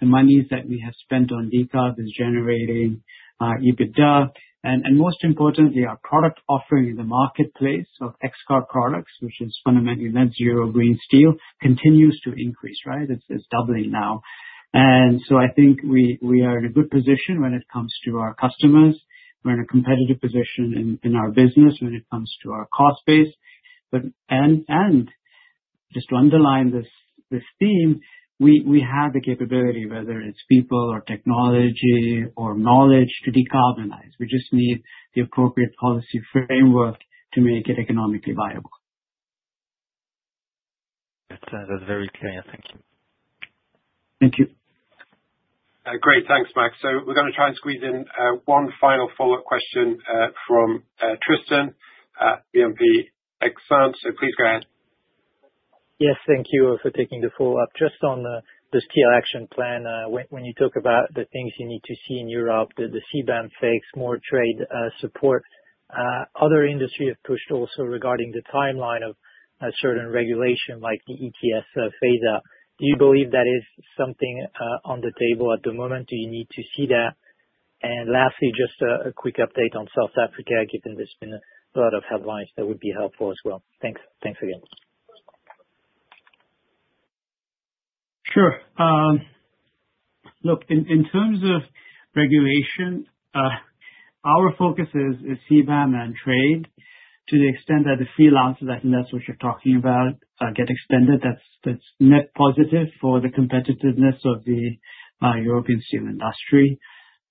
The monies that we have spent on decarb is generating EBITDA. And most importantly, our product offering in the marketplace of XCarb products, which is fundamentally net zero green steel, continues to increase, right? It's doubling now. And so I think we are in a good position when it comes to our customers. We're in a competitive position in our business when it comes to our cost base. And just to underline this theme, we have the capability, whether it's people or technology or knowledge, to decarbonize. We just need the appropriate policy framework to make it economically viable. That sounds very clear. Thank you. Thank you. Great. Thanks, Max. So we're going to try and squeeze in one final follow-up question from Tristan at Exane BNP Paribas. So please go ahead. Yes, thank you for taking the follow-up. Just on this key action plan, when you talk about the things you need to see in Europe, the CBAM phases, more trade support, other industries have pushed also regarding the timeline of certain regulation like the ETS, FESA. Do you believe that is something on the table at the moment? Do you need to see that? And lastly, just a quick update on South Africa, given there's been a lot of headlines that would be helpful as well. Thanks again. Sure. Look, in terms of regulation, our focus is CBAM and trade. To the extent that the free allocations, I think that's what you're talking about, get extended, that's net positive for the competitiveness of the European steel industry.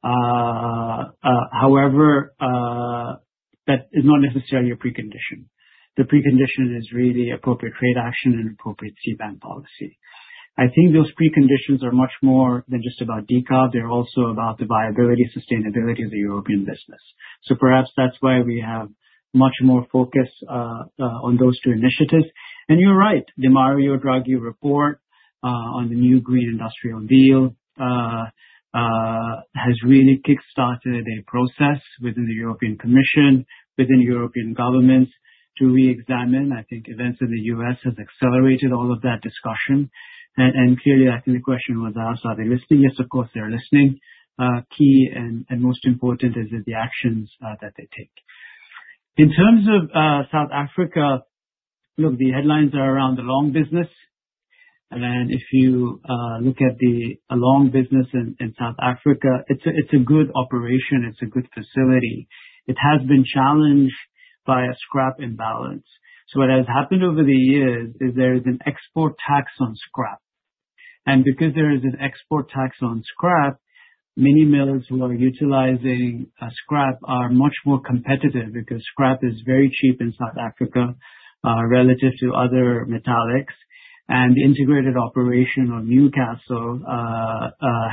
However, that is not necessarily a precondition. The precondition is really appropriate trade action and appropriate CBAM policy. I think those preconditions are much more than just about decarb. They're also about the viability, sustainability of the European business. So perhaps that's why we have much more focus on those two initiatives, and you're right. The Mario Draghi report on the new Green Industrial Deal has really kickstarted a process within the European Commission, within European governments to re-examine. I think events in the U.S. have accelerated all of that discussion. And clearly, I think the question was asked, are they listening? Yes, of course, they're listening. Key and most important is the actions that they take. In terms of South Africa, look, the headlines are around the long business, and if you look at the long business in South Africa, it's a good operation. It's a good facility. It has been challenged by a scrap imbalance, so what has happened over the years is there is an export tax on scrap, and because there is an export tax on scrap, many mills who are utilizing scrap are much more competitive because scrap is very cheap in South Africa relative to other metallics, and the integrated operation of Newcastle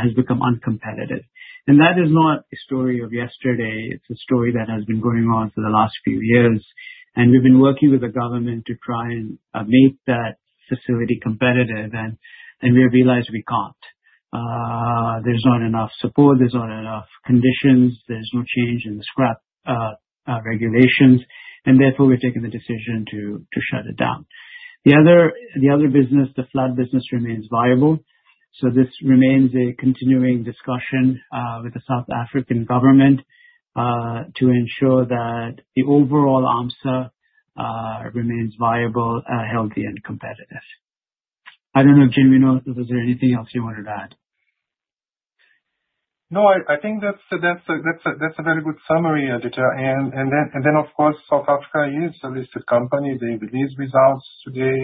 has become uncompetitive, and that is not a story of yesterday. It's a story that has been going on for the last few years, and we've been working with the government to try and make that facility competitive, and we realized we can't. There's not enough support. There's not enough conditions. There's no change in the scrap regulations. And therefore, we've taken the decision to shut it down. The other business, the flat business, remains viable. So this remains a continuing discussion with the South African government to ensure that the overall AMSA remains viable, healthy, and competitive. I don't know, Genuino was there anything else you wanted to add? No, I think that's a very good summary, Editor. And then, of course, South Africa is a listed company. They released results today.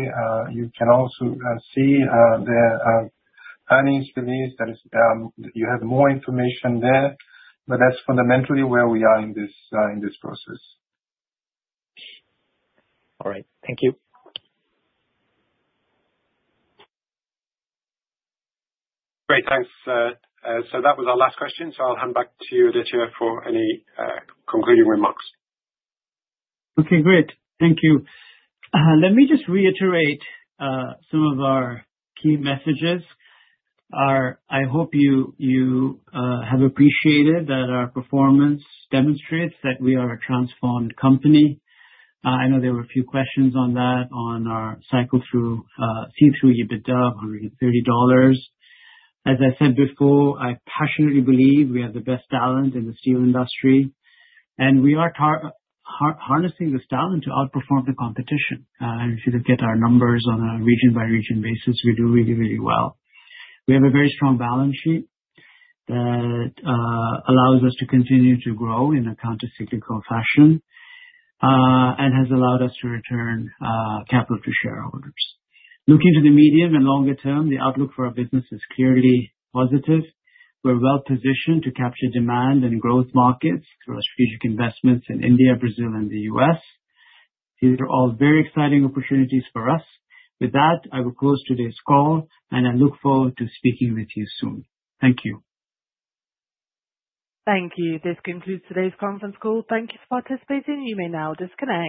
You can also see their earnings release. You have more information there. But that's fundamentally where we are in this process. All right. Thank you. Great. Thanks. So that was our last question. So I'll hand back to you, Aditya, for any concluding remarks. Okay. Great. Thank you. Let me just reiterate some of our key messages. I hope you have appreciated that our performance demonstrates that we are a transformed company. I know there were a few questions on that, on our cycle through see-through EBITDA of $130. As I said before, I passionately believe we have the best talent in the steel industry, and we are harnessing this talent to outperform the competition, and if you look at our numbers on a region-by-region basis, we do really, really well. We have a very strong balance sheet that allows us to continue to grow in a countercyclical fashion and has allowed us to return capital to shareholders. Looking to the medium and longer term, the outlook for our business is clearly positive. We're well-positioned to capture demand and growth markets through our strategic investments in India, Brazil, and the U.S. These are all very exciting opportunities for us. With that, I will close today's call, and I look forward to speaking with you soon. Thank you. Thank you. This concludes today's conference call. Thank you for participating. You may now disconnect.